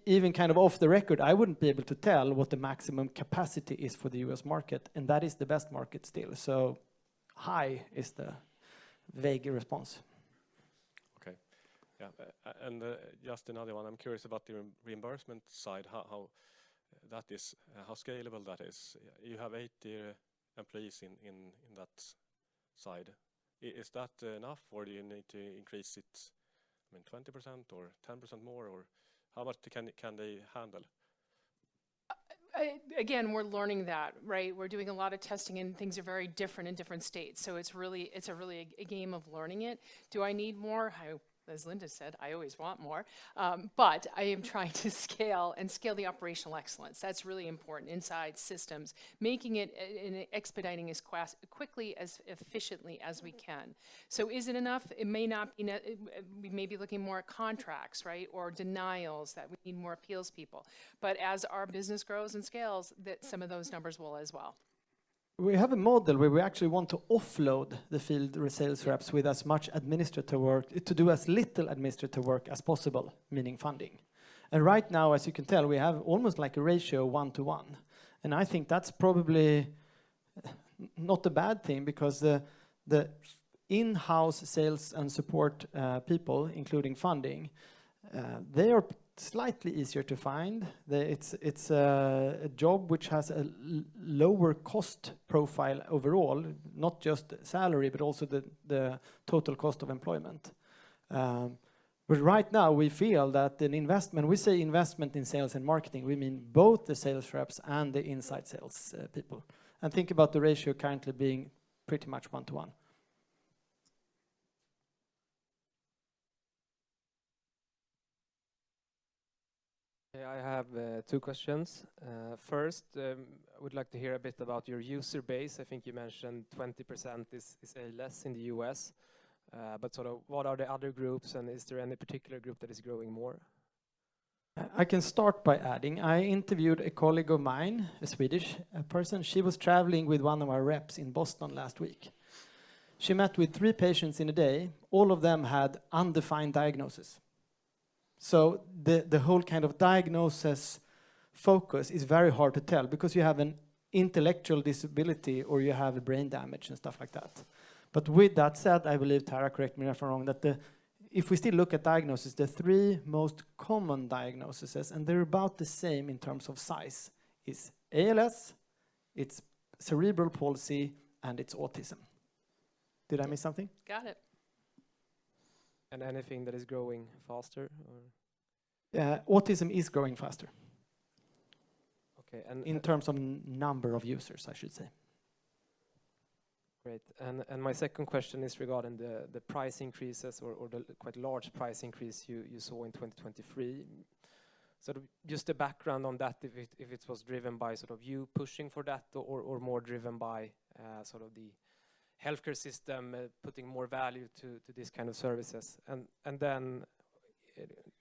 S1: even kind of off the record, I wouldn't be able to tell what the maximum capacity is for the U.S. market. And that is the best market still. So high is the vague response.
S10: Okay. Yeah. And just another one. I'm curious about the reimbursement side, how scalable that is. You have 80 employees in that side. Is that enough, or do you need to increase it, I mean, 20% or 10% more? Or how much can they handle?
S3: Again, we're learning that, right? We're doing a lot of testing, and things are very different in different states. So it's really a game of learning it. Do I need more? As Linda said, I always want more. But I am trying to scale and scale the operational excellence. That's really important, inside systems, making it and expediting as quickly, as efficiently as we can. So is it enough? It may not be enough. We may be looking more at contracts, right, or denials that we need more appeals people. But as our business grows and scales, some of those numbers will as well.
S1: We have a model where we actually want to offload the field sales reps with as much administrative work, to do as little administrative work as possible, meaning funding. And right now, as you can tell, we have almost like a ratio 1:1. I think that's probably not a bad thing because the in-house sales and support people, including funding, they are slightly easier to find. It's a job which has a lower cost profile overall, not just salary, but also the total cost of employment. Right now, we feel that an investment we say investment in sales and marketing. We mean both the sales reps and the inside sales people. Think about the ratio currently being pretty much 1:1.
S11: I have two questions. First, I would like to hear a bit about your user base. I think you mentioned 20% is ALS in the U.S. But sort of what are the other groups? And is there any particular group that is growing more?
S1: I can start by adding. I interviewed a colleague of mine, a Swedish person. She was traveling with one of our reps in Boston last week. She met with three patients in a day. All of them had undefined diagnoses. So the whole kind of diagnosis focus is very hard to tell because you have an intellectual disability or you have brain damage and stuff like that. But with that said, I believe, Tara, correct me if I'm wrong, that if we still look at diagnoses, the three most common diagnoses, and they're about the same in terms of size, is ALS, it's cerebral palsy, and it's autism. Did I miss something?
S3: Got it.
S11: And anything that is growing faster, or?
S1: Autism is growing faster in terms of number of users, I should say.
S11: Great. And my second question is regarding the price increases or the quite large price increase you saw in 2023. So just the background on that, if it was driven by sort of you pushing for that or more driven by sort of the healthcare system putting more value to these kind of services. And then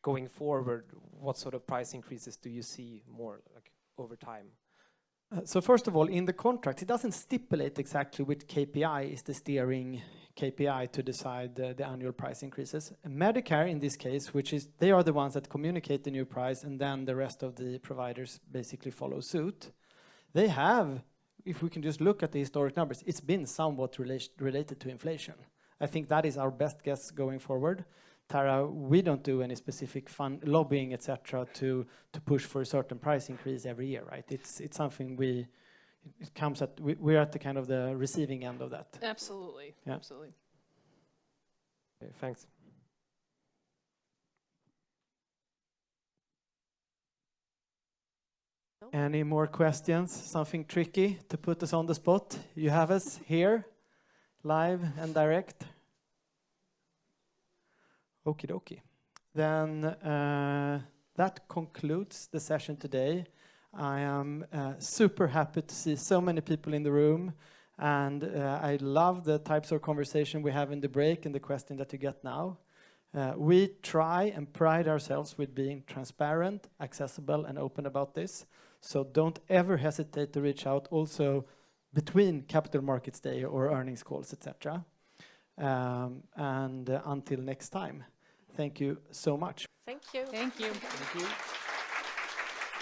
S11: going forward, what sort of price increases do you see more over time? So first of all, in the contract, it doesn't stipulate exactly which KPI is the steering KPI to decide the annual price increases. Medicare, in this case, which is they are the ones that communicate the new price, and then the rest of the providers basically follow suit. If we can just look at the historic numbers, it's been somewhat related to inflation. I think that is our best guess going forward. Tara, we don't do any specific lobbying, etc., to push for a certain price increase every year, right? It's something that comes at us. We're at the receiving end of that.
S3: Absolutely.
S11: Absolutely. Thanks.
S1: Any more questions? Something tricky to put us on the spot? You have us here live and direct. Okey-dokey. Then that concludes the session today. I am super happy to see so many people in the room. I love the types of conversation we have in the break and the question that you get now. We try and pride ourselves with being transparent, accessible, and open about this. So don't ever hesitate to reach out also between Capital Markets Day or earnings calls, etc. Until next time, thank you so much.
S3: Thank you.
S2: Thank you.
S4: Thank you.